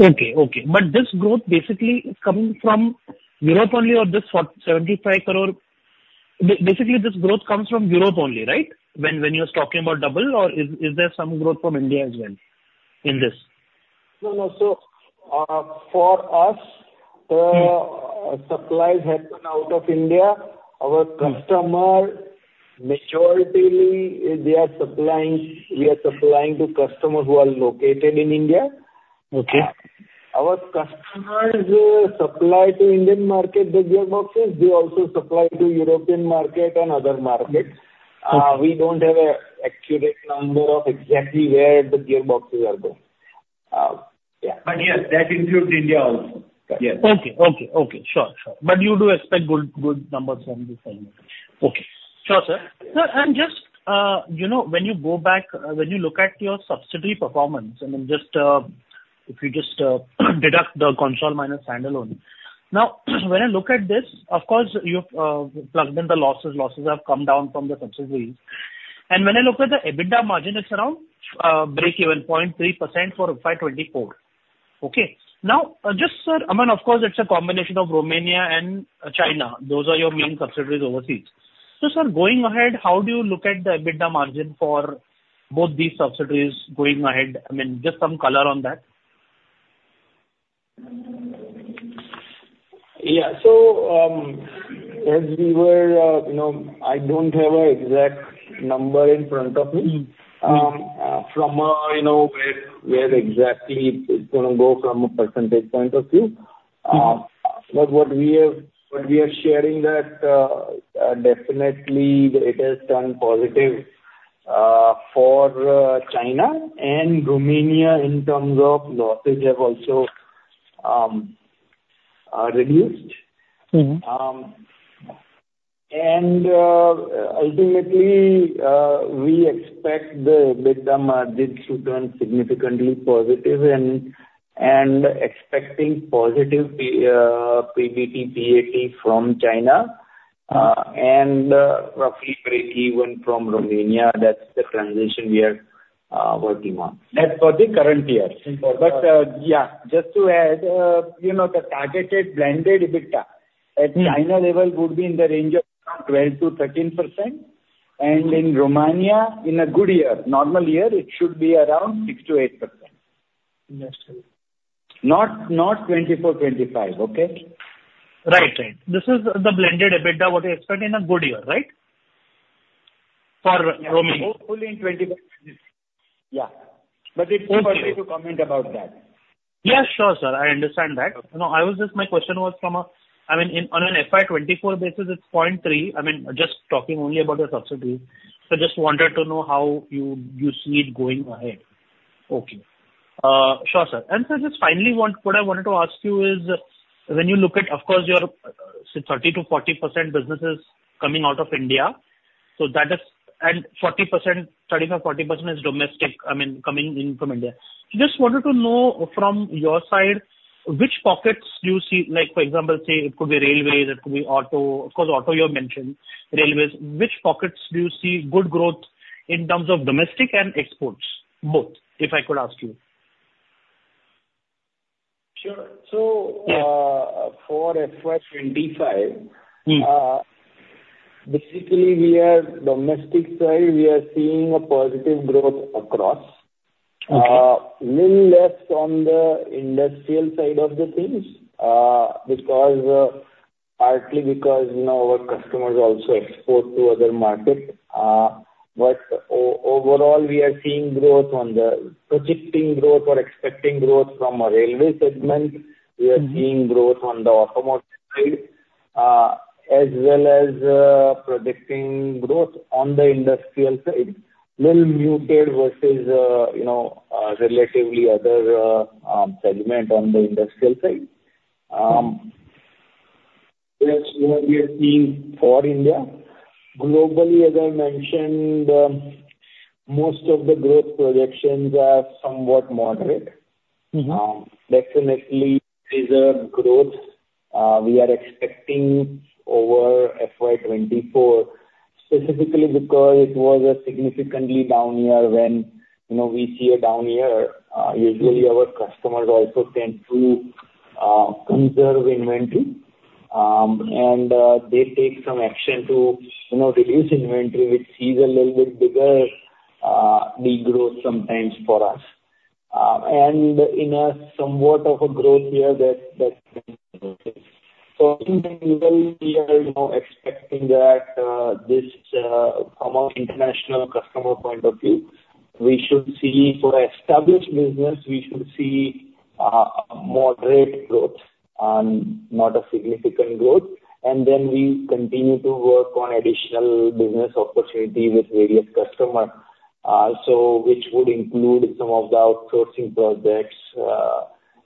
S9: Okay. Okay. But this growth basically is coming from Europe only or this for 75 crore. Basically, this growth comes from Europe only, right? When you're talking about double or is there some growth from India as well in this?
S2: No, no. So, for us, supplies happen out of India. Our customer majority, they are supplying, we are supplying to customers who are located in India.
S9: Okay.
S2: Our customers who supply to Indian market, the gearboxes, they also supply to European market and other markets.
S9: Uh.
S2: We don't have an accurate number of exactly where the gearboxes are going. But yes, that includes India also. Yes.
S9: Okay. Okay. Okay. Sure. Sure. But you do expect good, good numbers from this segment. Okay. Sure, sir. No, and just, you know, when you go back, when you look at your subsidiary performance, I mean, just, if you just, deduct the consolidated minus standalone. Now, when I look at this, of course, you've plugged in the losses, losses have come down from the subsidiaries. And when I look at the EBITDA margin, it's around breakeven 0.3% for FY 2024. Okay. Now, just, sir, I mean, of course, it's a combination of Romania and China. Those are your main subsidiaries overseas. So, sir, going ahead, how do you look at the EBITDA margin for both these subsidiaries going ahead? I mean, just some color on that.
S2: Yeah. So, as we were, you know, I don't have an exact number in front of me.
S9: Mm.
S2: From a, you know, where exactly it's gonna go from a percentage point of view. But what we are sharing that definitely it has turned positive for China and Romania in terms of losses have also reduced.
S9: Mm-hmm.
S2: Ultimately, we expect the EBITDA margin to turn significantly positive and expecting positive PBT, PAT from China, and roughly breakeven from Romania. That's the transition we are working on. That's for the current year.
S9: In current year.
S2: But, yeah, just to add, you know, the targeted blended EBITDA-
S9: Mm.
S2: at China level would be in the range of around 12%-13%.
S9: Mm.
S2: In Romania, in a good year, normal year, it should be around 6%-8%.
S9: Interesting.
S2: Not, not 24, 25, okay?
S9: Right. Right. This is the blended EBITDA, what you expect in a good year, right? For Romania.
S2: Only in 20. Yeah.
S9: Okay.
S2: But it's too early to comment about that.
S9: Yeah, sure, sir, I understand that. No, I was just, my question was from a, I mean, in, on an FY 2024 basis, it's 0.3. I mean, just talking only about the subsidies. So just wanted to know how you, you see it going ahead. Okay. Sure, sir. And sir, just finally, what, what I wanted to ask you is, when you look at, of course, your, say 30%-40% business is coming out of India, so that is, and 40%, 35%-40% is domestic, I mean, coming in from India. Just wanted to know from your side, which pockets do you see, like, for example, say, it could be railways, it could be auto, of course, auto you have mentioned, railways. Which pockets do you see good growth in terms of domestic and exports, both? If I could ask you.
S2: Sure. So-
S9: Yeah.
S2: For FY 2025-
S9: Mm.
S2: Basically, we are domestic side, we are seeing a positive growth across.
S9: Okay.
S2: Little less on the industrial side of the things, because partly because, you know, our customers also export to other markets. But overall, we are seeing growth, projecting growth or expecting growth from a railway segment.
S9: Mm.
S2: We are seeing growth on the automotive side, as well as predicting growth on the industrial side. Little muted versus, you know, relatively other, segment on the industrial side. That's what we are seeing for India. Globally, as I mentioned, most of the growth projections are somewhat moderate.
S9: Mm-hmm.
S2: Definitely there's a growth, we are expecting over FY 2024, specifically because it was a significantly down year. When, you know, we see a down year, usually our customers also tend to, conserve inventory. They take some action to, you know, reduce inventory, which sees a little bit bigger, degrowth sometimes for us. In somewhat of a growth year that.
S9: Okay.
S2: So in India, we are, you know, expecting that this from our international customer point of view, we should see for established business we should see a moderate growth and not a significant growth, and then we continue to work on additional business opportunity with various customer so which would include some of the outsourcing projects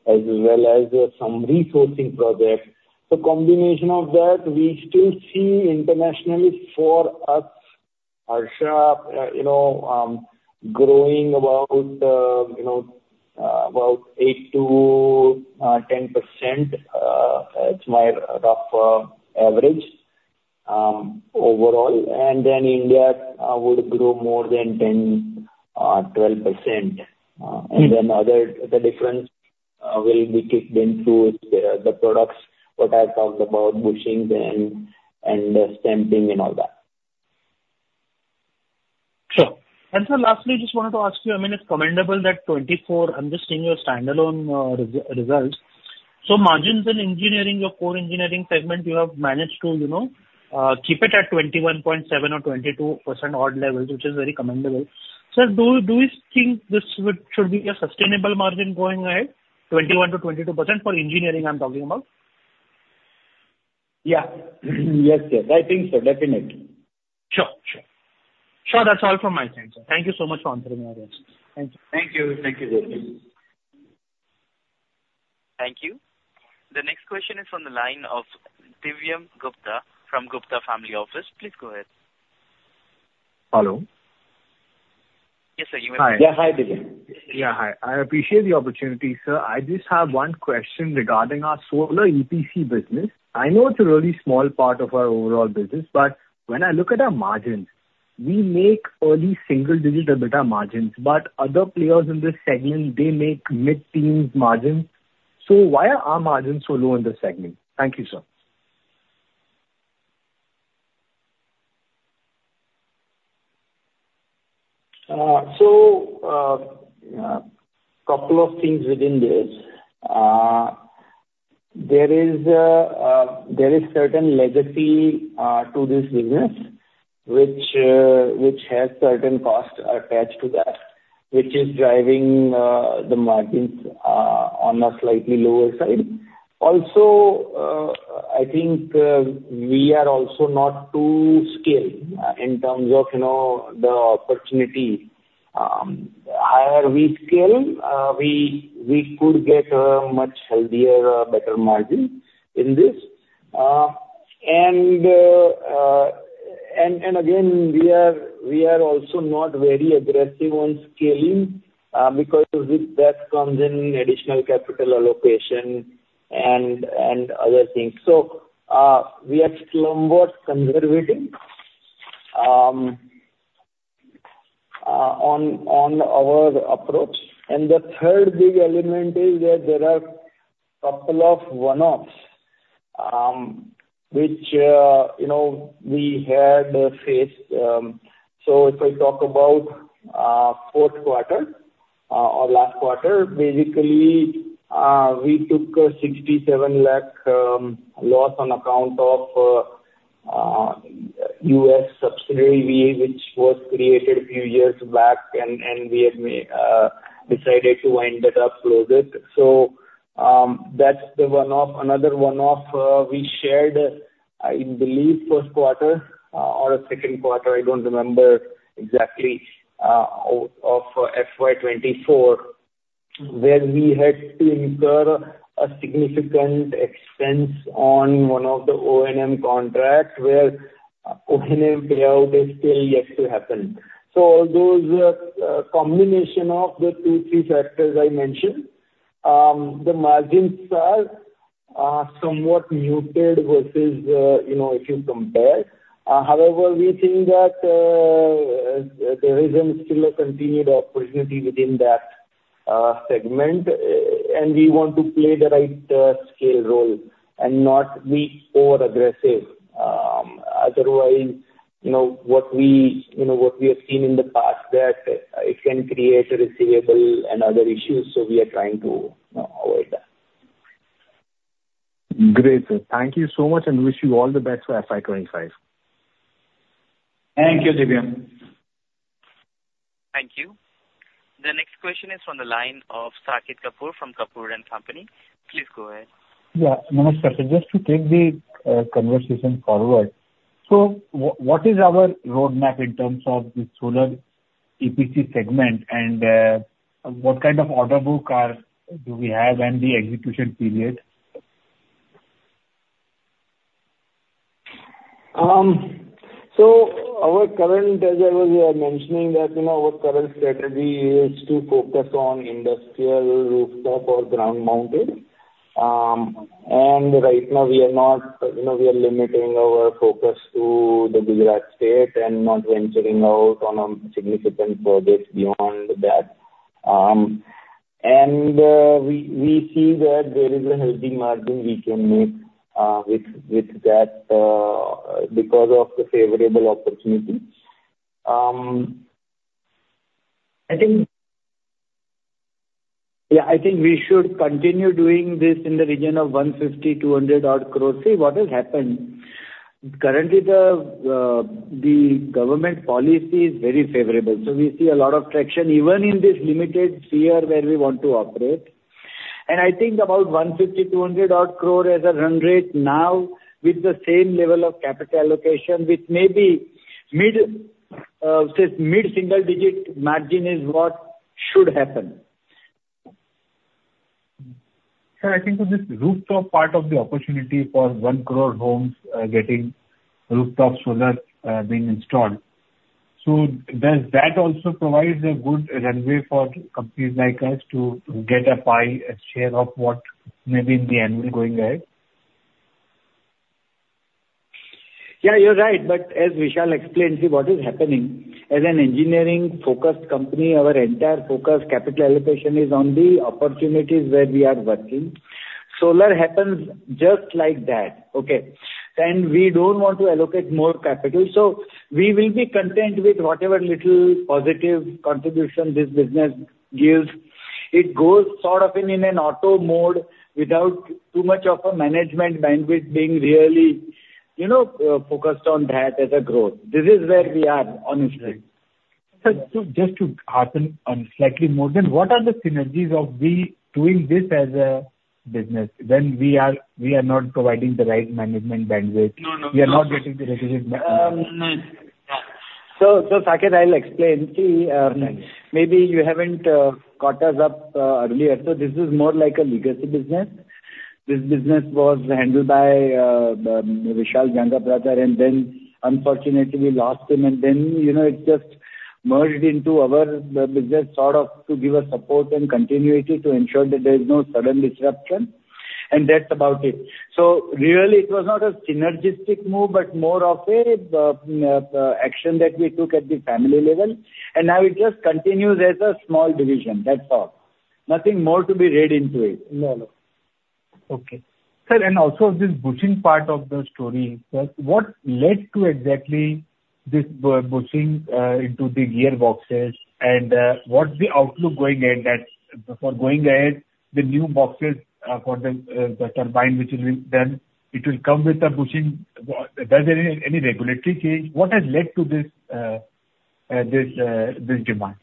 S2: as well as some resourcing projects. The combination of that, we still see internationally for us, Harsha, you know, growing about you know about 8%-10%, it's my rough average, overall. And then India would grow more than 10%-12%.
S9: Mm.
S2: And then the difference will be kicked in through the products, what I talked about, bushings and stamping and all that.
S9: Sure. And sir, lastly, just wanted to ask you, I mean, it's commendable that in 2024 I'm just seeing your standalone results. So margins in engineering, your core engineering segment, you have managed to, you know, keep it at 21.7% or 22% odd levels, which is very commendable. Sir, do you think this would, should be a sustainable margin going ahead, 21%-22%? For engineering, I'm talking about.
S2: Yeah. Yes, yes, I think so, definitely.
S9: Sure. Sure. Sure, that's all from my side, sir. Thank you so much for answering my questions. Thank you.
S2: Thank you. Thank you very much.
S1: Thank you. The next question is from the line of Divyam Gupta from Gupta Family Office. Please go ahead.
S10: Hello?
S1: Yes, sir, you may-
S2: Yeah. Hi, Divyam.
S10: Yeah, hi. I appreciate the opportunity, sir. I just have one question regarding our solar EPC business. I know it's a really small part of our overall business, but when I look at our margins, we make only single-digit EBITDA margins, but other players in this segment, they make mid-teens margins. So why are our margins so low in this segment? Thank you, sir.
S2: So, a couple of things within this. There is certain legacy to this business, which has certain costs attached to that, which is driving the margins on a slightly lower side. Also, I think we are also not too scaled in terms of, you know, the opportunity. Higher we scale, we could get a much healthier, better margin in this. And again, we are also not very aggressive on scaling, because with that comes in additional capital allocation and other things. So, we are somewhat conservative on our approach. The third big element is that there are a couple of one-offs, which, you know, we had faced. So if I talk about fourth quarter or last quarter, basically, we took a 67 lakh loss on account of U.S. subsidiary which was created a few years back, and we had decided to wind it up, close it. So that's the one-off. Another one-off, we shared, I believe, first quarter or second quarter, I don't remember exactly, of FY 2024, where we had to incur a significant expense on one of the O&M contract, where O&M payout is still yet to happen. So those combination of the two, three factors I mentioned, the margins are somewhat muted versus, you know, if you compare. However, we think that there is still a continued opportunity within that segment, and we want to play the right scale role and not be over-aggressive. Otherwise, you know, what we, you know, what we have seen in the past that it can create a receivable and other issues, so we are trying to, you know, avoid that.
S10: Great, sir. Thank you so much, and wish you all the best for FY 2025.
S2: Thank you, Divyam.
S1: Thank you. The next question is from the line of Saket Kapoor from Kapoor & Company. Please go ahead.
S11: Yeah. Manish, sir, just to take the conversation forward, so what is our roadmap in terms of the solar EPC segment, and what kind of order book do we have in the execution period?
S2: So, as I was mentioning, you know, our current strategy is to focus on industrial rooftop or ground mounting. And right now we are not, you know, we are limiting our focus to the Gujarat state and not venturing out on significant projects beyond that. And we see that there is a healthy margin we can make with that because of the favorable opportunity. I think. Yeah, I think we should continue doing this in the region of 150-200 crores. See what will happen?
S6: .Currently, the government policy is very favorable, so we see a lot of traction, even in this limited sphere where we want to operate. And I think about 150-200-odd crore as a run rate now, with the same level of capital allocation, which may be mid, say, mid-single digit margin is what should happen.
S11: Sir, I think with this rooftop part of the opportunity for one crore homes, getting rooftop solar, being installed. So does that also provide a good runway for companies like us to get a pie, a share of what may be in the annual going ahead?
S6: Yeah, you're right. But as Vishal explained, see, what is happening, as an engineering-focused company, our entire focus, capital allocation is on the opportunities where we are working. Solar happens just like that, okay? And we don't want to allocate more capital. So we will be content with whatever little positive contribution this business gives. It goes sort of in an auto mode without too much of a management bandwidth being really, you know, focused on that as a growth. This is where we are, honestly.
S11: Sir, so just to harp on slightly more, then what are the synergies of we doing this as a business, when we are, we are not providing the right management bandwidth?
S6: No, no, we-
S11: We are not getting the right management.
S6: No. So, Saket, I'll explain. See, maybe you haven't caught us up earlier, so this is more like a legacy business. This business was handled by Vishal's younger brother, and then unfortunately we lost him. And then, you know, it just merged into our, the business, sort of to give a support and continuity to ensure that there is no sudden disruption, and that's about it. So really, it was not a synergistic move, but more of a action that we took at the family level, and now it just continues as a small division. That's all. Nothing more to be read into it.
S11: No, no. Okay. Sir, and also this bushing part of the story. Sir, what led to exactly this bushing into the gearboxes, and what's the outlook going ahead that. For going ahead, the new boxes for the turbine, which will be done, it will come with a bushing. Does it any regulatory change? What has led to this demand?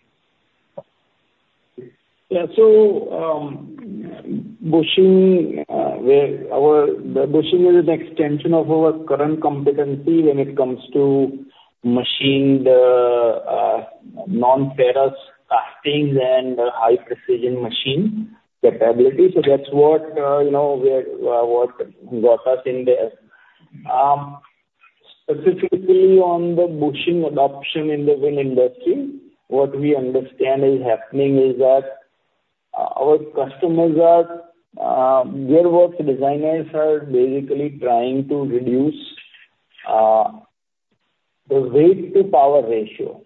S6: Yeah, so, bushing, where our, the bushing is an extension of our current competency when it comes to machining the non-ferrous castings and high precision machining capability. So that's what, you know, what got us in there. Specifically on the bushing adoption in the wind industry, what we understand is happening is that our customers, the gearbox designers are basically trying to reduce the weight to power ratio.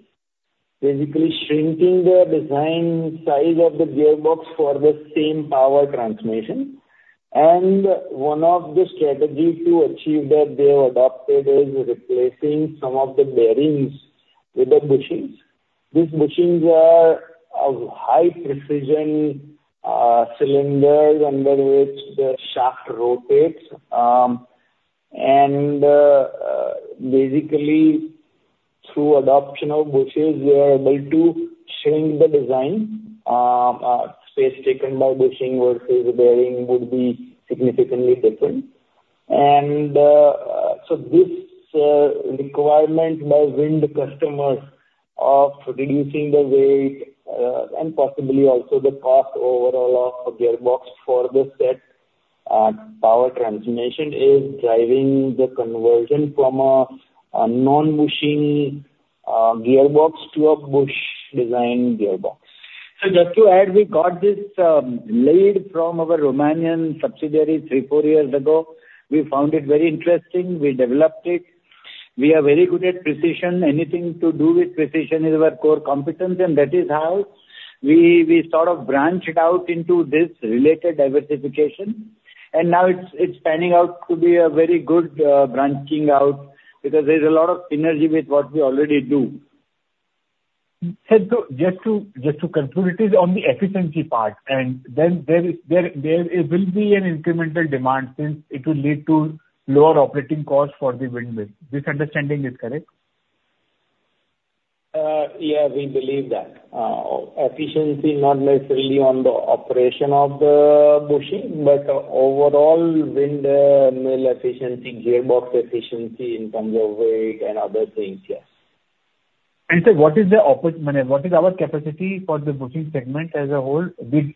S6: Basically, shrinking their design size of the gearbox for the same power transmission. And one of the strategies to achieve that they have adopted is replacing some of the bearings with the bushings. These bushings are of high precision cylinders, under which the shaft rotates. And, basically, through adoption of bushings, we are able to shrink the design, space taken by bushing versus bearing would be significantly different. And, so this requirement by wind customers of reducing the weight, and possibly also the cost overall of a gearbox for the set, power transformation, is driving the conversion from a, a non-bushing, gearbox to a bush-designed gearbox. So just to add, we got this, lead from our Romanian subsidiary 3-4 years ago. We found it very interesting. We developed it. We are very good at precision. Anything to do with precision is our core competence, and that is how we branched out into this related diversification. And now it's panning out to be a very good, branching out, because there's a lot of synergy with what we already do.
S11: Sir, so just to conclude, it is on the efficiency part, and then there will be an incremental demand since it will lead to lower operating costs for the windmill. This understanding is correct?
S6: Yeah, we believe that. Efficiency, not necessarily on the operation of the bushing, but overall windmill efficiency, gearbox efficiency in terms of weight and other things, yes.
S11: Sir, what is our capacity for the bushing segment as a whole? We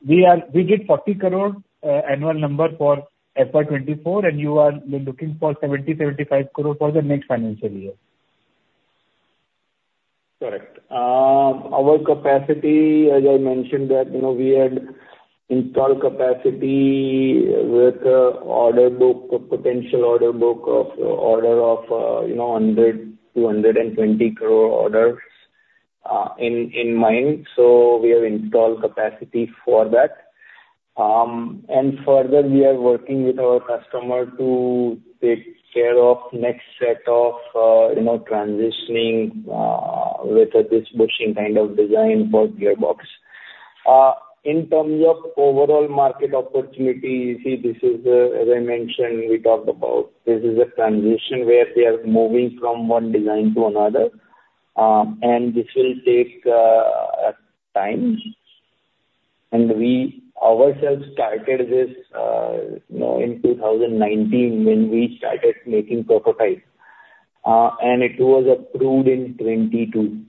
S11: did 40 crore annual number for FY 2024, and you are looking for 70 crore-75 crore for the next financial year.
S6: Correct. Our capacity, as I mentioned, that, you know, we had installed capacity with the order book, a potential order book of order of, you know, 100 crore-120 crore orders, in mind, so we have installed capacity for that. And further, we are working with our customer to take care of next set of, you know, transitioning, with this bushing kind of design for gearbox..
S2: In terms of overall market opportunity, you see, this is, as I mentioned, we talked about, this is a transition where we are moving from one design to another, and this will take a time. And we ourselves started this, you know, in 2019, when we started making prototypes, and it was approved in 2022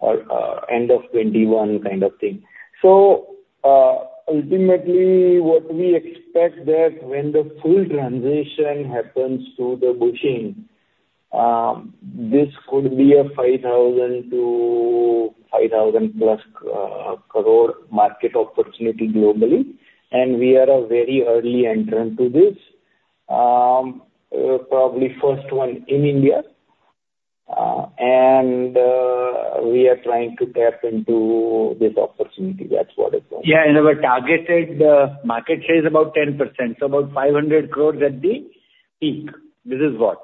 S2: or, end of 2021 kind of thing. So, ultimately, what we expect that when the full transition happens to the bushing, this could be a 5,000-5,000+ crore market opportunity globally, and we are a very early entrant to this. Probably first one in India. We are trying to tap into this opportunity. That's what it is.
S6: Yeah, and our targeted market share is about 10%, so about 500 crore at the peak. This is what.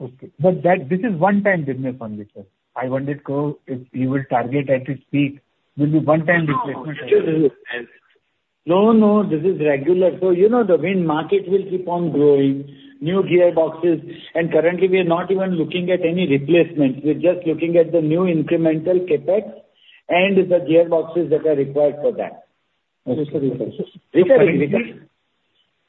S11: Okay. But that, this is one-time business only, sir. INR 500 crore, if you will target at its peak, will be one-time replacement.
S6: No, no, this is regular. So, you know, the wind market will keep on growing, new gearboxes. And currently, we are not even looking at any replacements. We're just looking at the new incremental CapEx and the gearboxes that are required for that.
S11: Okay, sir.
S6: You can repeat.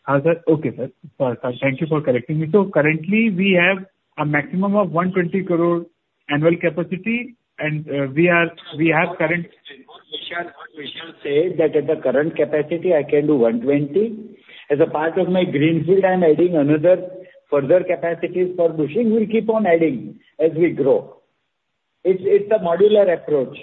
S11: Sir. Okay, sir. Sorry, thank you for correcting me. So currently, we have a maximum of 120 crore annual capacity, and we have current-
S6: What Vishal said, that at the current capacity, I can do 120. As a part of my greenfield, I'm adding another further capacity for bushing. We'll keep on adding as we grow. It's, it's a modular approach.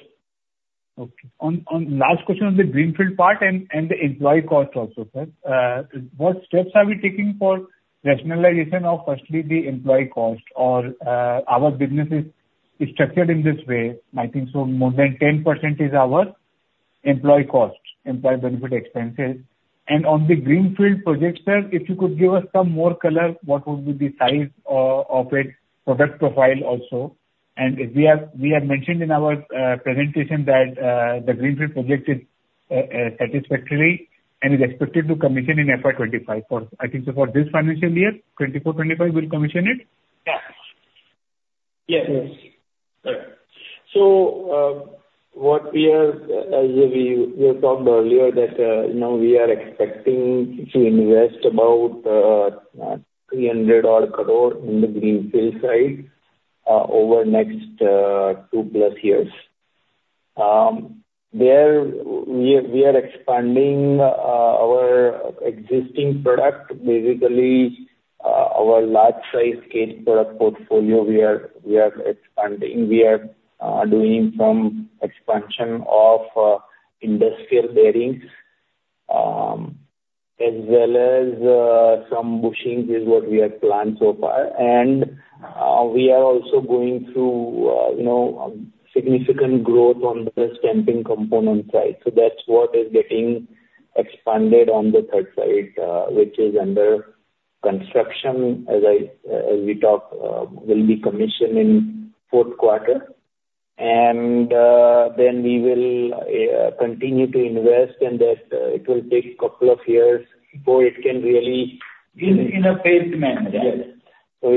S11: Okay. On last question on the greenfield part and the employee cost also, sir. What steps are we taking for rationalization of, firstly, the employee cost or our business is structured in this way, I think so more than 10% is our employee cost, employee benefit expenses. And on the greenfield project, sir, if you could give us some more color, what would be the size of its product profile also? And we have mentioned in our presentation that the greenfield project is satisfactory and is expected to commission in FY 2025. I think so for this financial year, 2024-2025, we'll commission it?
S6: Yeah. Yes.
S2: Yes. So, we have talked earlier that now we are expecting to invest about 300-odd crore in the greenfield side over next 2+ years. We are expanding our existing product. Basically, our large-size cage product portfolio, we are expanding. We are doing some expansion of industrial bearings as well as some bushings, is what we have planned so far. And we are also going through, you know, significant growth on the stamping component side. So that's what is getting expanded on the third site, which is under construction, as we talk, will be commissioned in fourth quarter. And, then we will continue to invest, and that it will take a couple of years before it can really-
S6: In a phased manner.
S2: Yes. So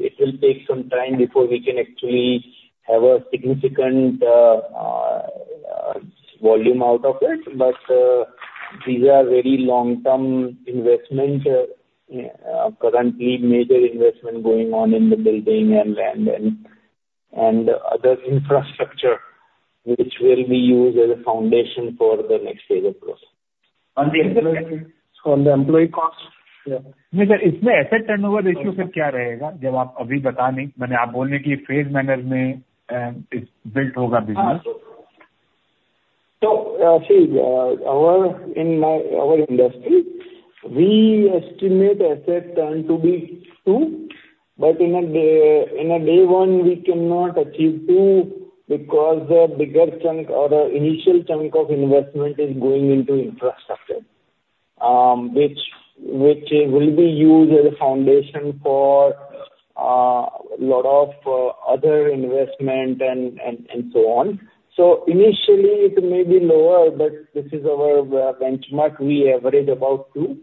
S2: it will take some time before we can actually have a significant volume out of it. But these are very long-term investments. Currently major investment going on in the building and land and other infrastructure, which will be used as a foundation for the next phase of growth.
S11: On the employee cost?
S6: Yeah.
S11: No, sir.
S2: So, see, in our industry, we estimate asset turn to be two, but in day one, we cannot achieve two because the bigger chunk or the initial chunk of investment is going into infrastructure, which will be used as a foundation for a lot of other investment and so on. So initially, it may be lower, but this is our benchmark. We average about two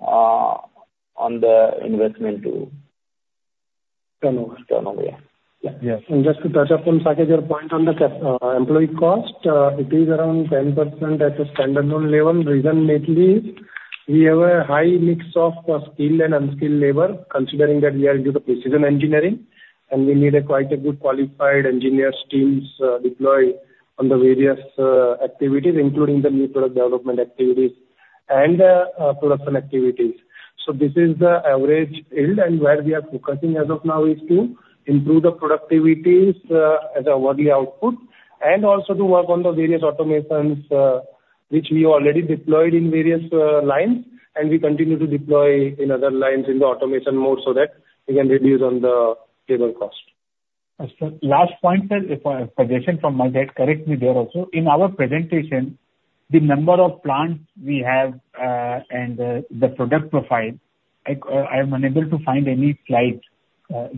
S2: on the investment to.
S11: Turnover.
S2: Turnover, yeah.
S11: Yeah.
S6: Yes, and just to touch upon, Saket, your point on the employee cost, it is around 10% at a standalone level. Reason mainly, we have a high mix of, skilled and unskilled labor, considering that we are into precision engineering, and we need a quite a good qualified engineers, teams, deployed on the various, activities, including the new product development activities and, production activities. So this is the average yield, and where we are focusing as of now is to improve the productivities, as a yearly output, and also to work on the various automations, which we already deployed in various, lines, and we continue to deploy in other lines in the automation mode so that we can reduce on the labor cost.
S11: Sir, last point, sir. If I have suggestion from my side, correct me there also. In our presentation-.
S12: the number of plants we have, and the product profile, I am unable to find any slides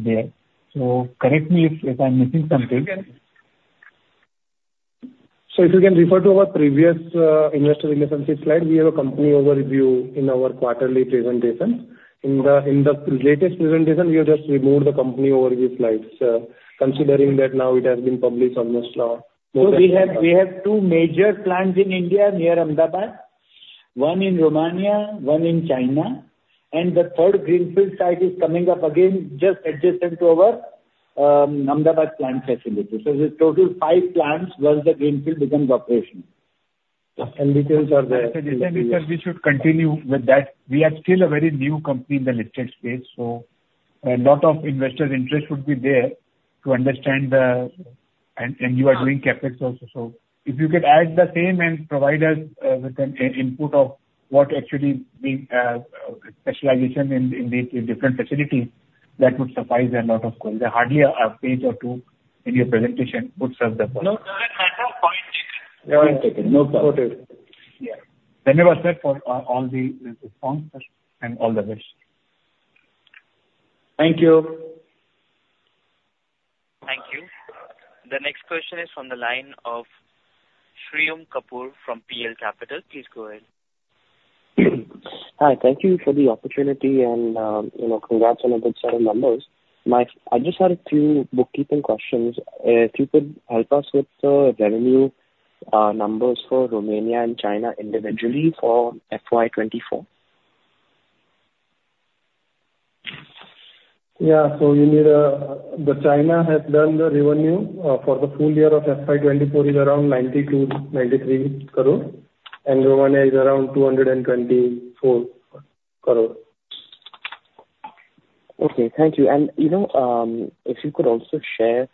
S12: there. So correct me if I'm missing something.
S3: So if you can refer to our previous investor relationship slide, we have a company overview in our quarterly presentation. In the latest presentation, we have just removed the company overview slides, considering that now it has been published on this now.
S2: So we have, we have two major plants in India, near Ahmedabad. One in Romania, one in China, and the third greenfield site is coming up again, just adjacent to our, Ahmedabad plant facility. So there's total five plants once the greenfield becomes operational. And details are there.
S11: I think, sir, we should continue with that. We are still a very new company in the electric space, so a lot of investor interest would be there to understand the. And you are doing CapEx also. So if you could add the same and provide us with an input of what actually the specialization in the different facilities, that would suffice a lot of questions. Hardly a page or two in your presentation would serve the purpose.
S2: No, point taken. Point taken. No problem.
S11: Okay. Yeah. Thank you, sir, for all the response and all the best.
S2: Thank you.
S1: Thank you. The next question is from the line of Shirom Kapur from PL Capital. Please go ahead.
S12: Hi, thank you for the opportunity and, you know, congrats on a good set of numbers. I just had a few bookkeeping questions. If you could help us with the revenue numbers for Romania and China individually for FY 2024.
S3: Yeah. So you need, the China has done the revenue, for the full year of FY 2024 is around INR 92-93 crore, and Romania is around INR 224 crore.
S12: Okay, thank you. And, you know, if you could also share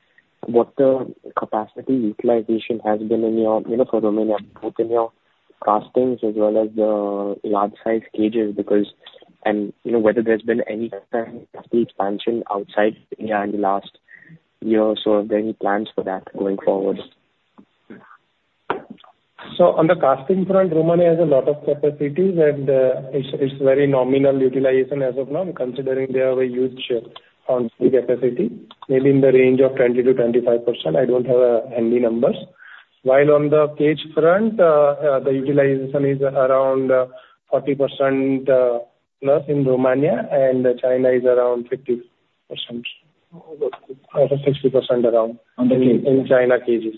S12: what the capacity utilization has been in your, you know, for Romania, both in your castings as well as the large-size cages, because. And, you know, whether there's been any capacity expansion outside India in the last year or so, are there any plans for that going forward?
S3: So on the casting front, Romania has a lot of capacities, and it's very nominal utilization as of now, considering they have a huge free capacity, maybe in the range of 20%-25%, I don't have handy numbers. While on the cage front, the utilization is around 40%+ in Romania, and China is around 50%-60% around-
S12: On the cage.
S3: In China cages.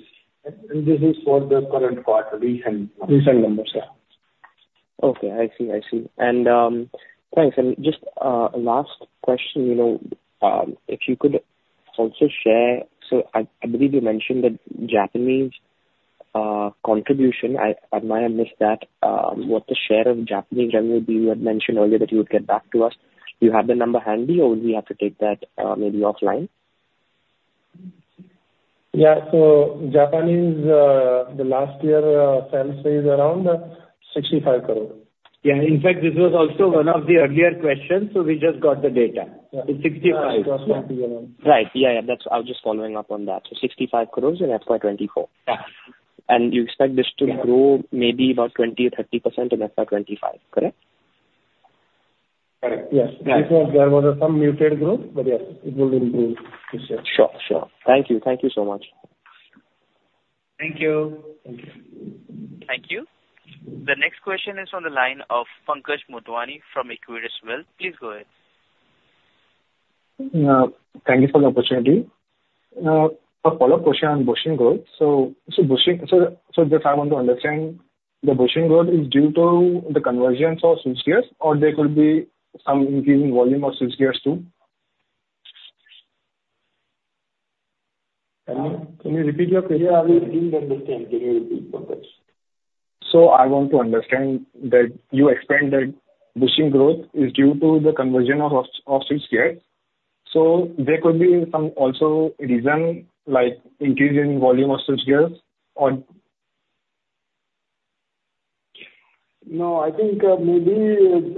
S2: This is for the current quarter, recent numbers.
S3: Recent numbers, yeah.
S12: Okay, I see. I see. And, thanks. And just, last question, you know, if you could also share. So I believe you mentioned the Japanese contribution. I might have missed that. What the share of Japanese revenue being you had mentioned earlier that you would get back to us. Do you have the number handy, or would we have to take that, maybe offline?
S3: Yeah. So Japanese, the last year, sales is around 65 crore.
S2: Yeah, in fact, this was also one of the earlier questions, so we just got the data.
S3: Yeah.
S2: It's sixty-five.
S3: Yeah, sixty-five.
S12: Right. Yeah, yeah, that's. I was just following up on that. So 65 crore in FY 2024?
S3: Yeah.
S12: And you expect this to-
S3: Yeah.
S12: Grow maybe about 20%-30% in FY 2025, correct?
S3: Correct.
S2: Yes.
S12: Right.
S3: Because there was some muted growth, but yes, it will improve this year.
S12: Sure. Sure. Thank you. Thank you so much.
S2: Thank you.
S3: Thank you.
S1: Thank you. The next question is on the line of Pankaj Motwani from Equirus Wealth. Please go ahead.
S13: Thank you for the opportunity. A follow-up question on bushing growth. So, just I want to understand, the bushing growth is due to the conversions of switchgears, or there could be some increase in volume of switchgears, too?
S3: Can you repeat your question?
S2: Yeah, we didn't understand. Can you repeat, Pankaj?
S13: So I want to understand that you explained that bushing growth is due to the conversion of switchgears, so there could be some also reason, like increase in volume of switchgears or?
S2: No, I think, maybe,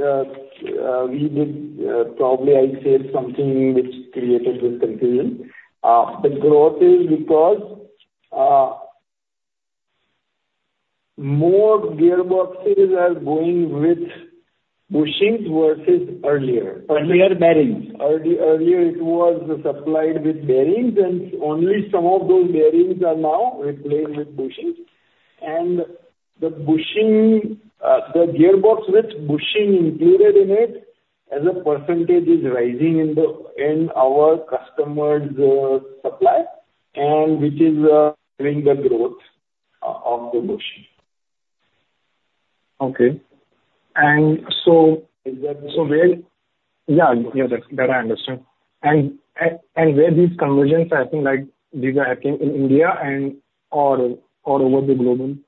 S2: we did, probably I said something which created this confusion. The growth is because, more gearboxes are going with bushings versus earlier.
S13: Earlier bearings.
S2: Earlier it was supplied with bearings, and only some of those bearings are now replaced with bushings. And the bushing, the gearbox with bushing included in it, as a percentage, is rising in our customers' supply, and which is driving the growth of the bushing.
S13: Okay. And so, where. Yeah, yeah, that I understand. And where these conversions are happening, like these are happening in India or over the globe?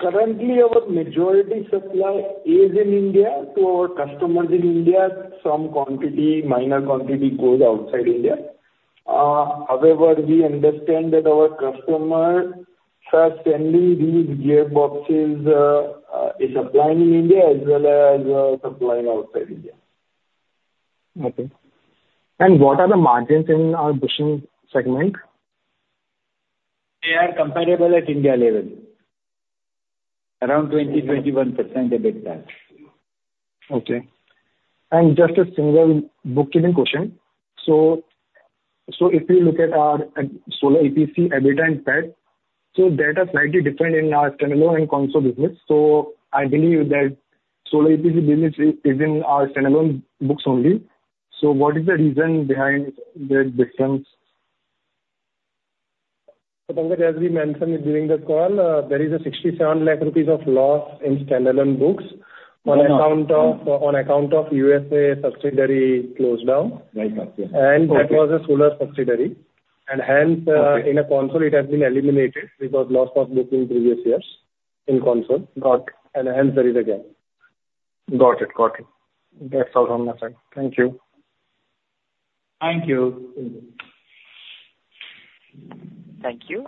S2: Currently, our majority supply is in India, to our customers in India. Some quantity, minor quantity, goes outside India. However, we understand that our customers are sending these gearboxes, is supplying in India as well as, supplying outside India..
S13: Okay. And what are the margins in our bushing segment?
S2: They are comparable at India level, around 20%-21% EBITDA.
S13: Okay. Just a single bookkeeping question. So if you look at our solar EPC, EBITDA, and PAT, so data slightly different in our standalone and consolidated business. I believe that solar EPC business is in our standalone books only. What is the reason behind this difference?
S3: So Pankaj, as we mentioned during the call, there is a 67 lakh rupees of loss in standalone books.
S13: Uh-huh.
S3: On account of, on account of USA subsidiary closed down.
S13: Right, okay.
S3: That was a solar subsidiary, and hence,
S13: Okay.
S3: In consolidated it has been eliminated because loss was booked in previous years in consolidated.
S13: Got it.
S3: Hence there is a gap.
S13: Got it. Got it. That's all on my side. Thank you.
S2: Thank you.
S1: Thank you.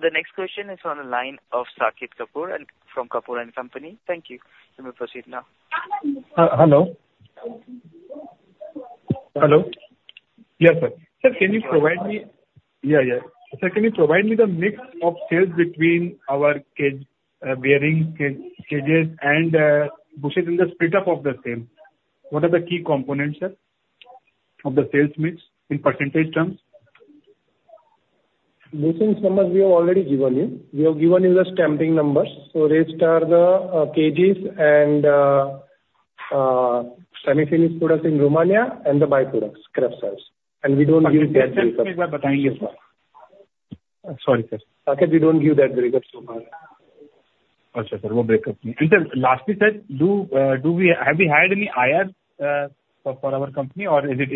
S1: The next question is on the line of Saket Kapoor and from Kapoor and Company. Thank you. You may proceed now.
S11: Hello? Hello.
S1: Yes, sir.
S11: Sir, can you provide me-
S2: Yeah, yeah.
S11: Sir, can you provide me the mix of sales between our bearing cages and bushings in the split up of the same? What are the key components, sir, of the sales mix in percentage terms?
S3: Bushing numbers we have already given you. We have given you the stamping numbers, so rest are the cages and semi-finished products in Romania and the byproducts, scrap sales, and we don't give that breakup.
S11: Sorry, sir.
S3: Saket, we don't give that breakup so far.
S11: Sir, lastly, sir, have we hired any IR for our company, or is it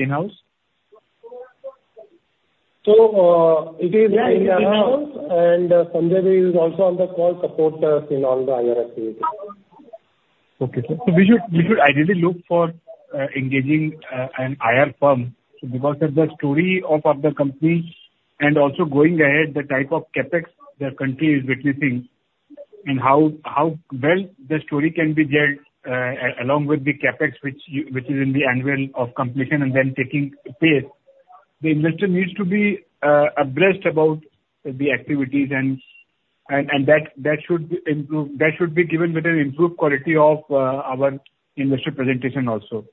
S11: in-house?
S3: It is in-house.
S2: Yeah, in-house.
S3: Sanjay is also on the call, support us in all the IR activities.
S11: Okay, sir. So we should ideally look for engaging an IR firm, so because of the story of the company and also going ahead, the type of CapEx the country is witnessing, and how well the story can be shared along with the CapEx, which is in the annual of completion and then taking place. The investor needs to be abreast about the activities and that should improve. That should be given with an improved quality of our investor presentation also.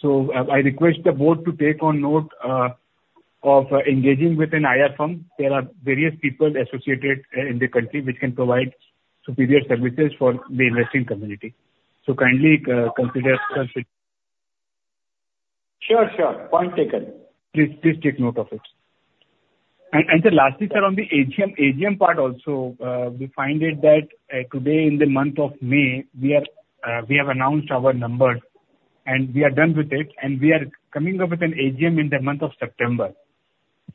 S11: So I request the board to take note of engaging with an IR firm. There are various people associated in the country which can provide superior services for the investing community. So kindly consider this.
S2: Sure, sure. Point taken. Please, please take note of it.
S11: And lastly, sir, on the AGM, AGM part also, we find it that, today in the month of May, we are, we have announced our numbers, and we are done with it, and we are coming up with an AGM in the month of September.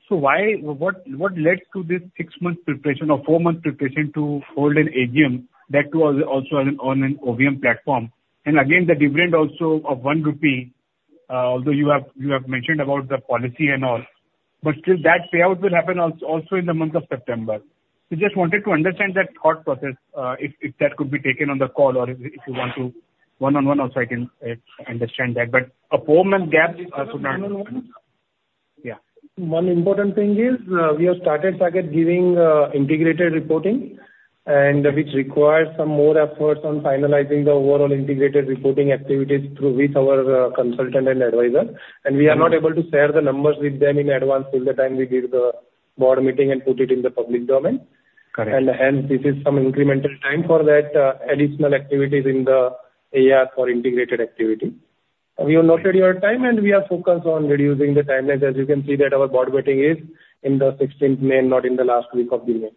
S11: So why, what led to this 6-month preparation or 4-month preparation to hold an AGM that was also on an OAVM platform? And again, the dividend also of 1 rupee, although you have mentioned about the policy and all, but still that payout will happen also in the month of September. So just wanted to understand that thought process, if that could be taken on the call or if you want to one-on-one also, I can understand that. A four-month gap should not-
S3: One on one?
S11: Yeah.
S3: One important thing is, we have started, Saket, giving, integrated reporting, and which requires some more efforts on finalizing the overall integrated reporting activities through with our, consultant and advisor.
S11: Mm-hmm.
S3: We are not able to share the numbers with them in advance till the time we did the board meeting and put it in the public domain.
S11: Correct.
S3: And hence, this is some incremental time for that, additional activities in the IR for integrated activity. We have noted your time, and we are focused on reducing the timeline. As you can see, that our board meeting is in the sixteenth May, not in the last week of the May.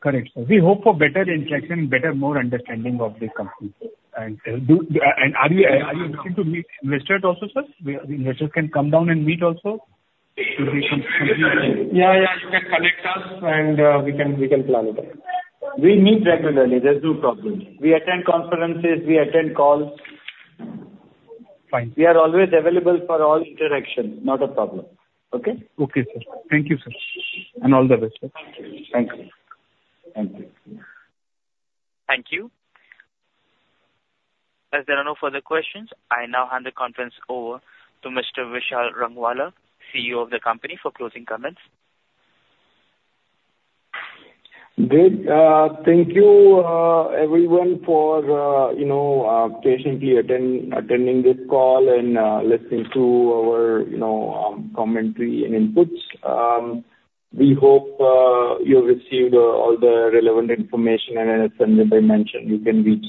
S11: Correct, sir. We hope for better interaction, better, more understanding of the company. And are you, are you looking to meet investors also, sir? We, investors can come down and meet also?
S3: Yeah, yeah, you can connect us, and we can, we can plan it out.
S2: We meet regularly. There's no problem. We attend conferences, we attend calls.
S11: Fine.
S2: We are always available for all interaction. Not a problem. Okay?
S11: Okay, sir. Thank you, sir, and all the best.
S2: Thank you. Thank you.
S1: Thank you. As there are no further questions, I now hand the conference over to Mr. Vishal Rangwala, CEO of the company, for closing comments.
S2: Good. Thank you, everyone, for you know patiently attending this call and listening to our you know commentary and inputs. We hope you received all the relevant information, and as Sanjay mentioned, you can reach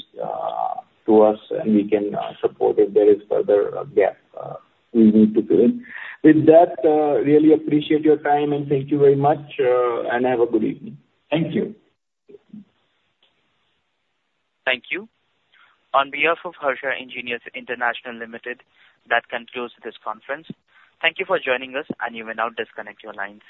S2: to us, and we can support if there is further gap we need to fill in. With that, really appreciate your time, and thank you very much, and have a good evening. Thank you.
S1: Thank you. On behalf of Harsha Engineers International Limited, that concludes this conference. Thank you for joining us, and you may now disconnect your lines.